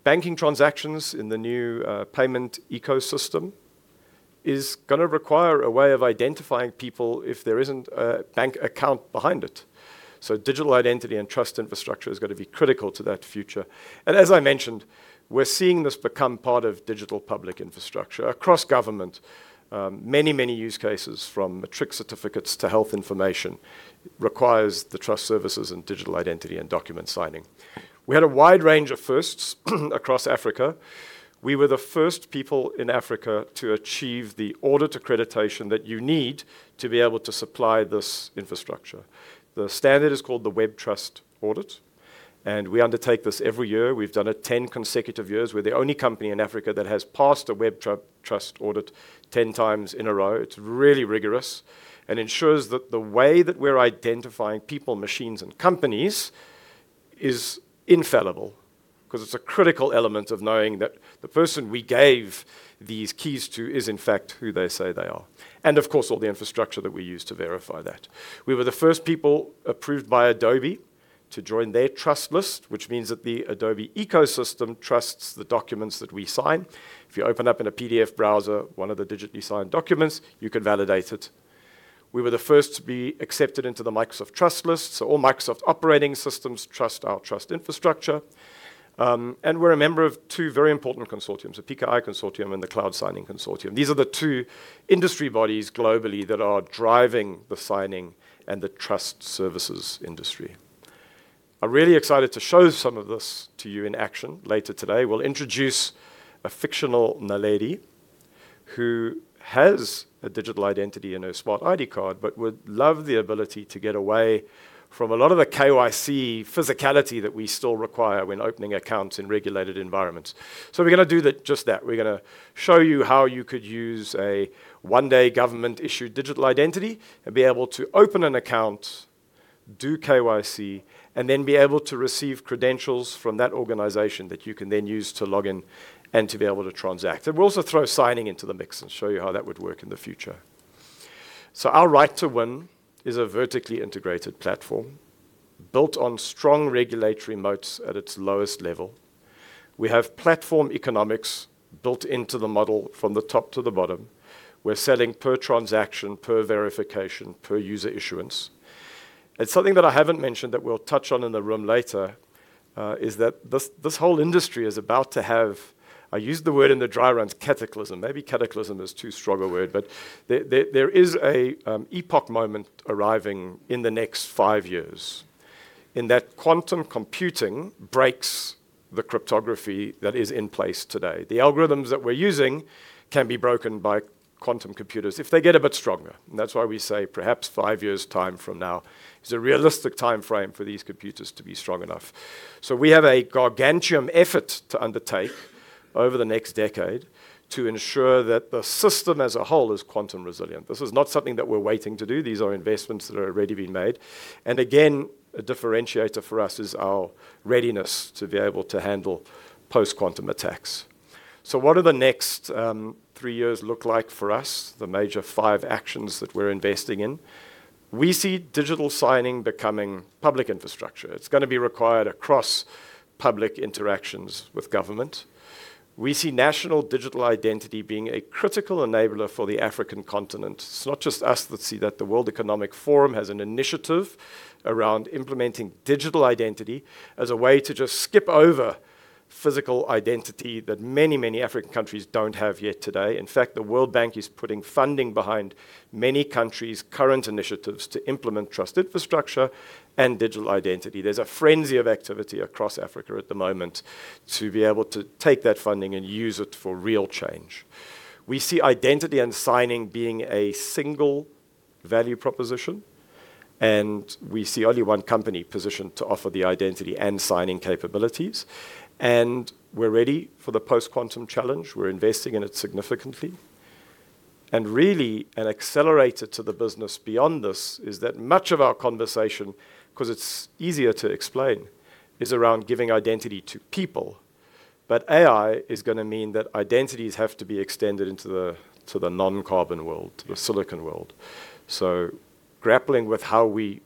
Banking transactions in the new payment ecosystem is going to require a way of identifying people if there isn't a bank account behind it. Digital identity and trust infrastructure is going to be critical to that future. As I mentioned, we're seeing this become part of digital public infrastructure across government. Many, many use cases from matric certificates to health information requires the trust services in digital identity and document signing. We had a wide range of firsts across Africa. We were the first people in Africa to achieve the audit accreditation that you need to be able to supply this infrastructure. The standard is called the WebTrust Audit. We undertake this every year. We've done it 10 consecutive years. We're the only company in Africa that has passed a WebTrust Audit 10 times in a row. It's really rigorous and ensures that the way that we're identifying people, machines, and companies is infallible because it's a critical element of knowing that the person we gave these keys to is in fact who they say they are, and of course, all the infrastructure that we use to verify that. We were the first people approved by Adobe to join their trust list, which means that the Adobe ecosystem trusts the documents that we sign. If you open up in a PDF browser one of the digitally signed documents, you can validate it. We were the first to be accepted into the Microsoft trust list. All Microsoft operating systems trust our trust infrastructure. We're a member of two very important consortiums, the PKI Consortium and the Cloud Signature Consortium. These are the two industry bodies globally that are driving the signing and the trust services industry. I'm really excited to show some of this to you in action later today. We'll introduce a fictional Naledi who has a digital identity and a Smart ID card but would love the ability to get away from a lot of the KYC physicality that we still require when opening accounts in regulated environments. We're going to do just that. We're going to show you how you could use a one-day government-issued digital identity and be able to open an account, do KYC, and then be able to receive credentials from that organization that you can then use to log in and to be able to transact. We'll also throw signing into the mix and show you how that would work in the future. Our right to win is a vertically integrated platform built on strong regulatory moats at its lowest level. We have platform economics built into the model from the top to the bottom. We're selling per transaction, per verification, per user issuance. Something that I haven't mentioned that we'll touch on in the room later, is that this whole industry is about to have, I used the word in the dry runs, cataclysm. Maybe cataclysm is too strong a word, but there is an epoch moment arriving in the next five years. In that quantum computing breaks the cryptography that is in place today. The algorithms that we're using can be broken by quantum computers if they get a bit stronger. That's why we say perhaps five years' time from now is a realistic timeframe for these computers to be strong enough. We have a gargantuan effort to undertake over the next decade to ensure that the system as a whole is quantum resilient. This is not something that we're waiting to do. These are investments that are already being made. Again, a differentiator for us is our readiness to be able to handle post-quantum attacks. What do the next three years look like for us, the major five actions that we're investing in? We see digital signing becoming public infrastructure. It's going to be required across public interactions with government. We see national digital identity being a critical enabler for the African continent. It's not just us that see that. The World Economic Forum has an initiative around implementing digital identity as a way to just skip over physical identity that many, many African countries don't have yet today. In fact, the World Bank is putting funding behind many countries' current initiatives to implement trust infrastructure and digital identity. There's a frenzy of activity across Africa at the moment to be able to take that funding and use it for real change. We see identity and signing being a single value proposition. We see only one company positioned to offer the identity and signing capabilities. We're ready for the post-quantum challenge. We're investing in it significantly. Really, an accelerator to the business beyond this is that much of our conversation, because it's easier to explain, is around giving identity to people. AI is going to mean that identities have to be extended into the non-carbon world, the silicon world. Grappling with how we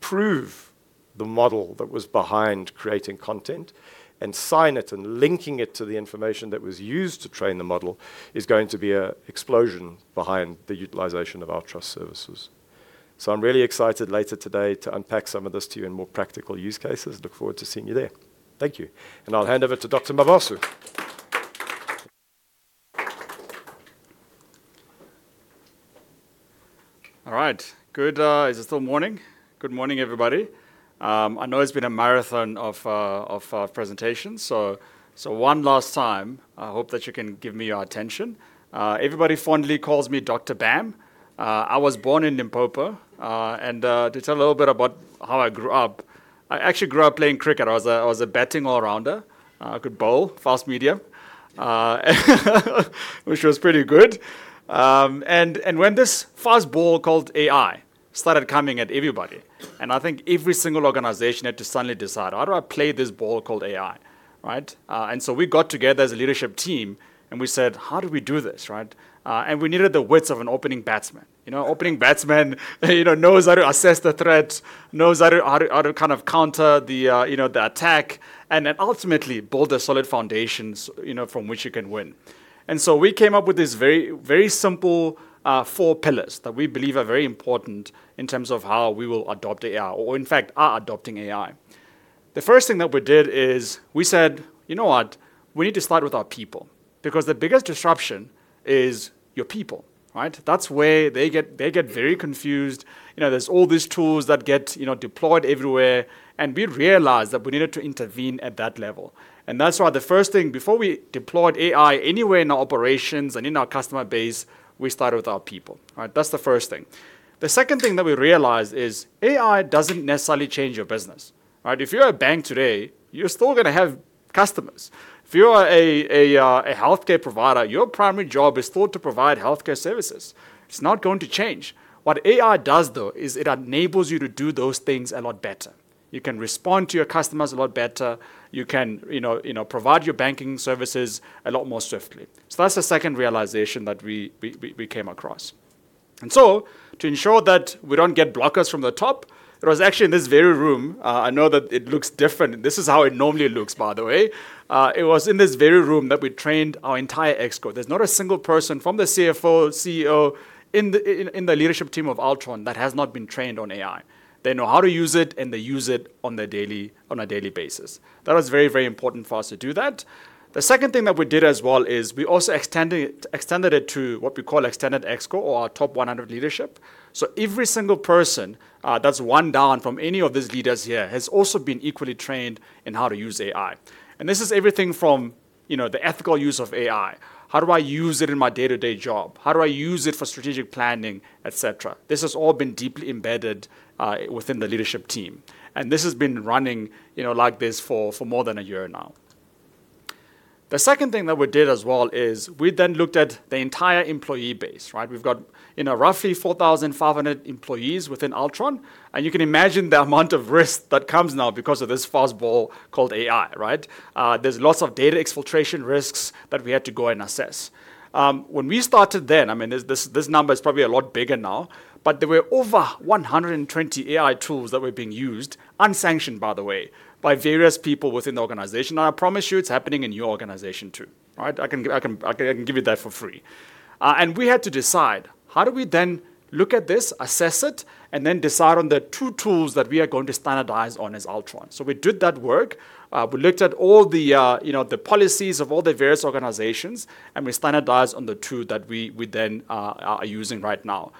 prove the model that was behind creating content and sign it and linking it to the information that was used to train the model is going to be an explosion behind the utilization of our trust services. I'm really excited later today to unpack some of this to you in more practical use cases. Look forward to seeing you there. Thank you. I'll hand over to Dr Mabaso. All right. Good. Is it still morning? Good morning, everybody. I know it's been a marathon of presentations, so one last time, I hope that you can give me your attention. Everybody fondly calls me Dr Bam. I was born in Limpopo. To tell a little bit about how I grew up, I actually grew up playing cricket. I was a batting all-rounder. I could bowl, fast medium which was pretty good. When this fast ball called AI started coming at everybody, and I think every single organization had to suddenly decide, "How do I play this ball called AI?" Right? We got together as a leadership team and we said, "How do we do this?" Right? We needed the wits of an opening batsman. Opening batsman knows how to assess the threat, knows how to counter the attack, and then ultimately build a solid foundation from which you can win. We came up with these very simple four pillars that we believe are very important in terms of how we will adopt AI or, in fact, are adopting AI. The first thing that we did is we said, "You know what? We need to start with our people," because the biggest disruption is your people, right? That's where they get very confused. There's all these tools that get deployed everywhere, and we realized that we needed to intervene at that level. That's why the first thing, before we deployed AI anywhere in our operations and in our customer base, we started with our people. That's the first thing. The second thing that we realized is AI doesn't necessarily change your business. If you're a bank today, you're still going to have customers. If you are a healthcare provider, your primary job is still to provide healthcare services. It's not going to change. What AI does, though, is it enables you to do those things a lot better. You can respond to your customers a lot better. You can provide your banking services a lot more swiftly. That's the second realization that we came across. To ensure that we don't get blockers from the top, it was actually in this very room. I know that it looks different. This is how it normally looks, by the way. It was in this very room that we trained our entire exco. There's not a single person from the CFO, CEO in the leadership team of Altron that has not been trained on AI. They know how to use it, and they use it on a daily basis. That was very, very important for us to do that. The second thing that we did as well is we also extended it to what we call extended exco or our top 100 leadership. Every single person that's one down from any of these leaders here has also been equally trained in how to use AI. This is everything from the ethical use of AI. How do I use it in my day-to-day job? How do I use it for strategic planning, et cetera? This has all been deeply embedded within the leadership team, and this has been running like this for more than a year now. The second thing that we did as well is we then looked at the entire employee base, right? We've got roughly 4,500 employees within Altron. You can imagine the amount of risk that comes now because of this fast ball called AI, right? There's lots of data exfiltration risks that we had to go and assess. When we started then, this number is probably a lot bigger now, but there were over 120 AI tools that were being used, unsanctioned, by the way, by various people within the organization. I promise you, it's happening in your organization too. I can give you that for free. We had to decide, how do we then look at this, assess it, and then decide on the two tools that we are going to standardize on as Altron? We did that work. We looked at all the policies of all the various organizations, and we standardized on the two that we then are using right now.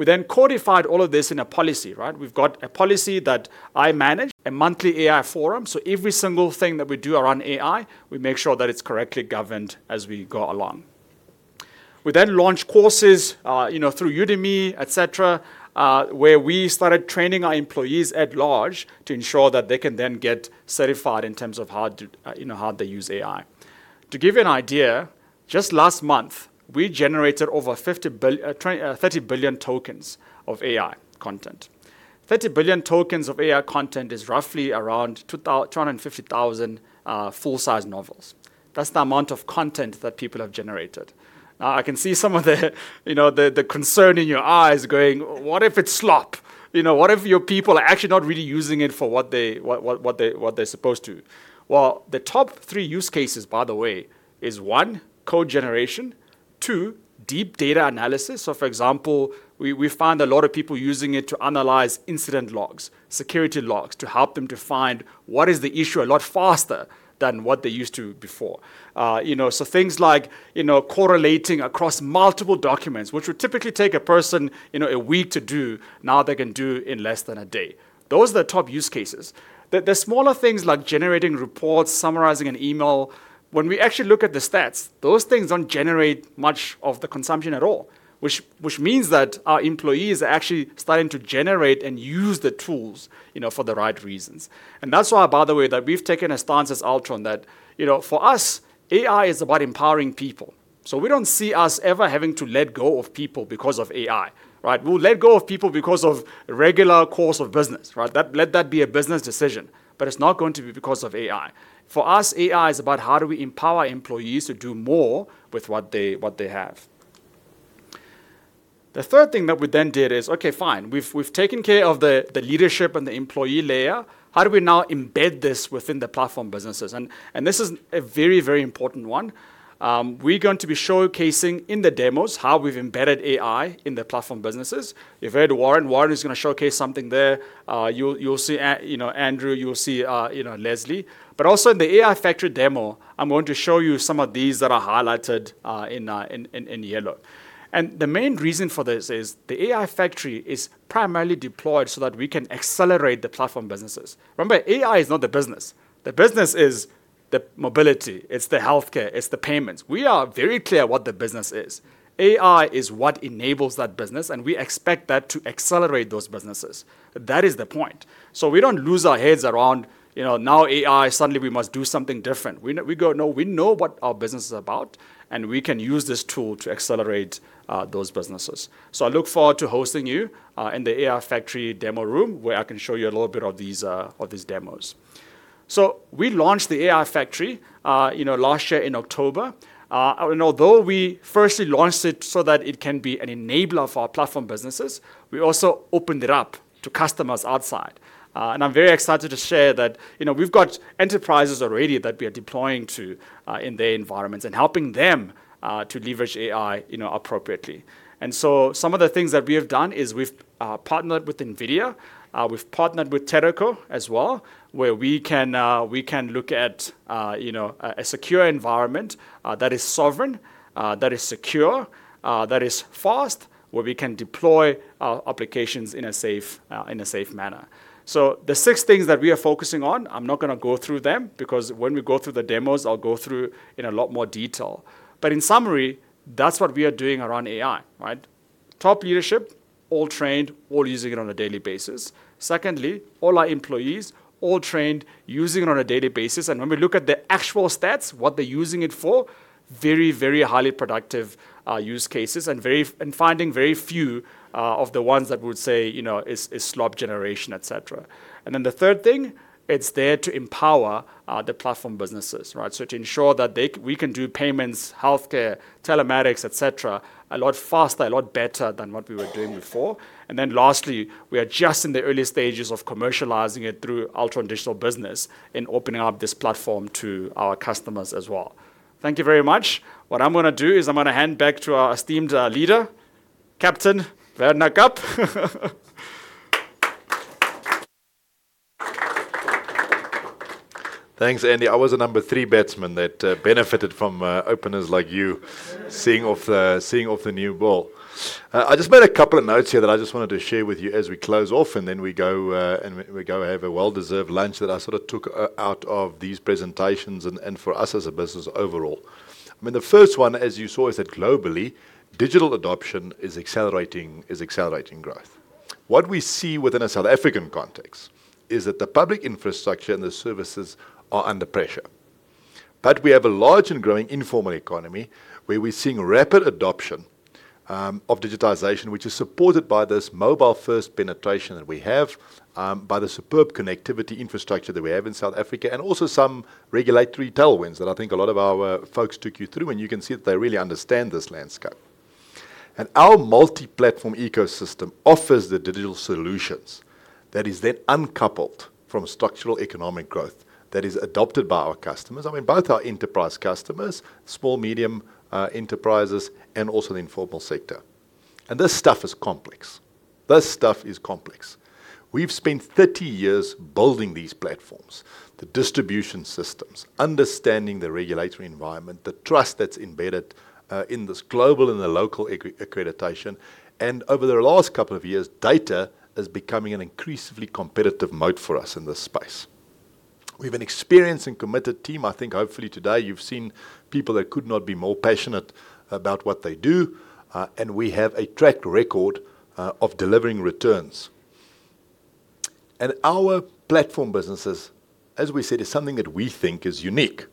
We codified all of this in a policy. We've got a policy that I manage, a monthly AI forum. Every single thing that we do around AI, we make sure that it's correctly governed as we go along. We launch courses through Udemy, et cetera, where we started training our employees at large to ensure that they can then get certified in terms of how they use AI. To give you an idea, just last month, we generated over 30 billion tokens of AI content. 30 billion tokens of AI content is roughly around 250,000 full-size novels. That's the amount of content that people have generated. Now I can see some of the concern in your eyes going, "What if it's slop? What if your people are actually not really using it for what they're supposed to?" Well, the top three use cases, by the way, is, one, code generation, two, deep data analysis. For example, we found a lot of people using it to analyze incident logs, security logs, to help them to find what is the issue a lot faster than what they used to before. Things like correlating across multiple documents, which would typically take a person a week to do, now they can do in less than a day. Those are the top use cases. There are smaller things like generating reports, summarizing an email. When we actually look at the stats, those things don't generate much of the consumption at all, which means that our employees are actually starting to generate and use the tools for the right reasons. That's why, by the way, that we've taken a stance as Altron that for us, AI is about empowering people. We don't see us ever having to let go of people because of AI. We'll let go of people because of regular course of business. Let that be a business decision. It's not going to be because of AI. For us, AI is about how do we empower employees to do more with what they have. The third thing that we then did is, okay, fine, we've taken care of the leadership and the employee layer. How do we now embed this within the platform businesses? This is a very important one. We're going to be showcasing in the demos how we've embedded AI in the platform businesses. You've heard Warren. Warren is going to showcase something there. You'll see Andrew, you'll see Leslie. Also in the AI Factory demo, I'm going to show you some of these that are highlighted in yellow. The main reason for this is the AI Factory is primarily deployed so that we can accelerate the platform businesses. Remember, AI is not the business. The business is the mobility, it's the healthcare, it's the payments. We are very clear what the business is. AI is what enables that business, and we expect that to accelerate those businesses. That is the point. We don't lose our heads around now AI, suddenly we must do something different. We know what our business is about, and we can use this tool to accelerate those businesses. I look forward to hosting you in the AI Factory demo room where I can show you a little bit of these demos. We launched the AI Factory last year in October. Although we firstly launched it so that it can be an enabler for our platform businesses, we also opened it up to customers outside. I'm very excited to share that we've got enterprises already that we are deploying to in their environments and helping them to leverage AI appropriately. Some of the things that we have done is we've partnered with NVIDIA, we've partnered with Teraco as well, where we can look at a secure environment that is sovereign, that is secure, that is fast, where we can deploy our applications in a safe manner. The six things that we are focusing on, I'm not going to go through them because when we go through the demos, I'll go through in a lot more detail. In summary, that's what we are doing around AI. Top leadership, all trained, all using it on a daily basis. Secondly, all our employees, all trained, using it on a daily basis. When we look at the actual stats, what they're using it for, very highly productive use cases and finding very few of the ones that we would say is slop generation, et cetera. The third thing, it's there to empower the platform businesses. To ensure that we can do payments, healthcare, telematics, et cetera, a lot faster, a lot better than what we were doing before. Lastly, we are just in the early stages of commercializing it through Altron Digital Business and opening up this platform to our customers as well. Thank you very much. What I'm going to do is I'm going to hand back to our esteemed leader, Captain Werner Kapp. Thanks, Andy. I was a number three batsman that benefited from openers like you seeing off the new ball. I just made a couple of notes here that I just wanted to share with you as we close off. Then we go have a well-deserved lunch that I sort of took out of these presentations and for us as a business overall. The first one, as you saw, is that globally, digital adoption is accelerating growth. What we see within a South African context is that the public infrastructure and the services are under pressure. We have a large and growing informal economy where we're seeing rapid adoption of digitization, which is supported by this mobile-first penetration that we have. By the superb connectivity infrastructure that we have in South Africa, and also some regulatory tailwinds that I think a lot of our folks took you through, and you can see that they really understand this landscape. Our multi-platform ecosystem offers the digital solutions that is then uncoupled from structural economic growth that is adopted by our customers. Both our enterprise customers, small-medium enterprises, and also the informal sector. This stuff is complex. This stuff is complex. We've spent 30 years building these platforms, the distribution systems, understanding the regulatory environment, the trust that's embedded in this global and the local accreditation. Over the last couple of years, data is becoming an increasingly competitive moat for us in this space. We have an experienced and committed team. I think hopefully today you've seen people that could not be more passionate about what they do. We have a track record of delivering returns. Our platform businesses, as we said, is something that we think is unique.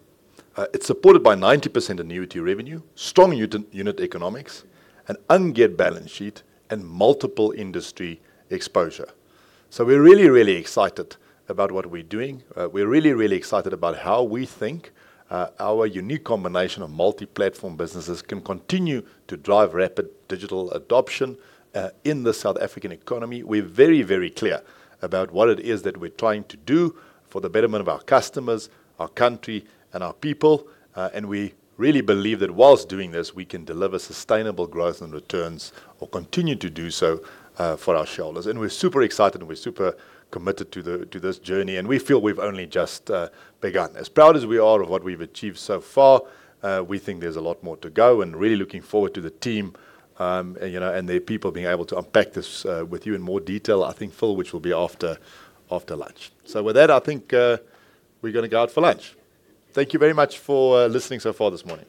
It's supported by 90% annuity revenue, strong unit economics, an ungeared balance sheet, and multiple industry exposure. We're really excited about what we're doing. We're really excited about how we think our unique combination of multi-platform businesses can continue to drive rapid digital adoption in the South African economy. We're very clear about what it is that we're trying to do for the betterment of our customers, our country, and our people. We really believe that whilst doing this, we can deliver sustainable growth and returns or continue to do so for our shareholders. We're super excited, and we're super committed to this journey, and we feel we've only just begun. As proud as we are of what we've achieved so far, we think there's a lot more to go and really looking forward to the team and their people being able to unpack this with you in more detail. I think Phil, which will be after lunch. With that, I think we're going to go out for lunch. Thank you very much for listening so far this morning.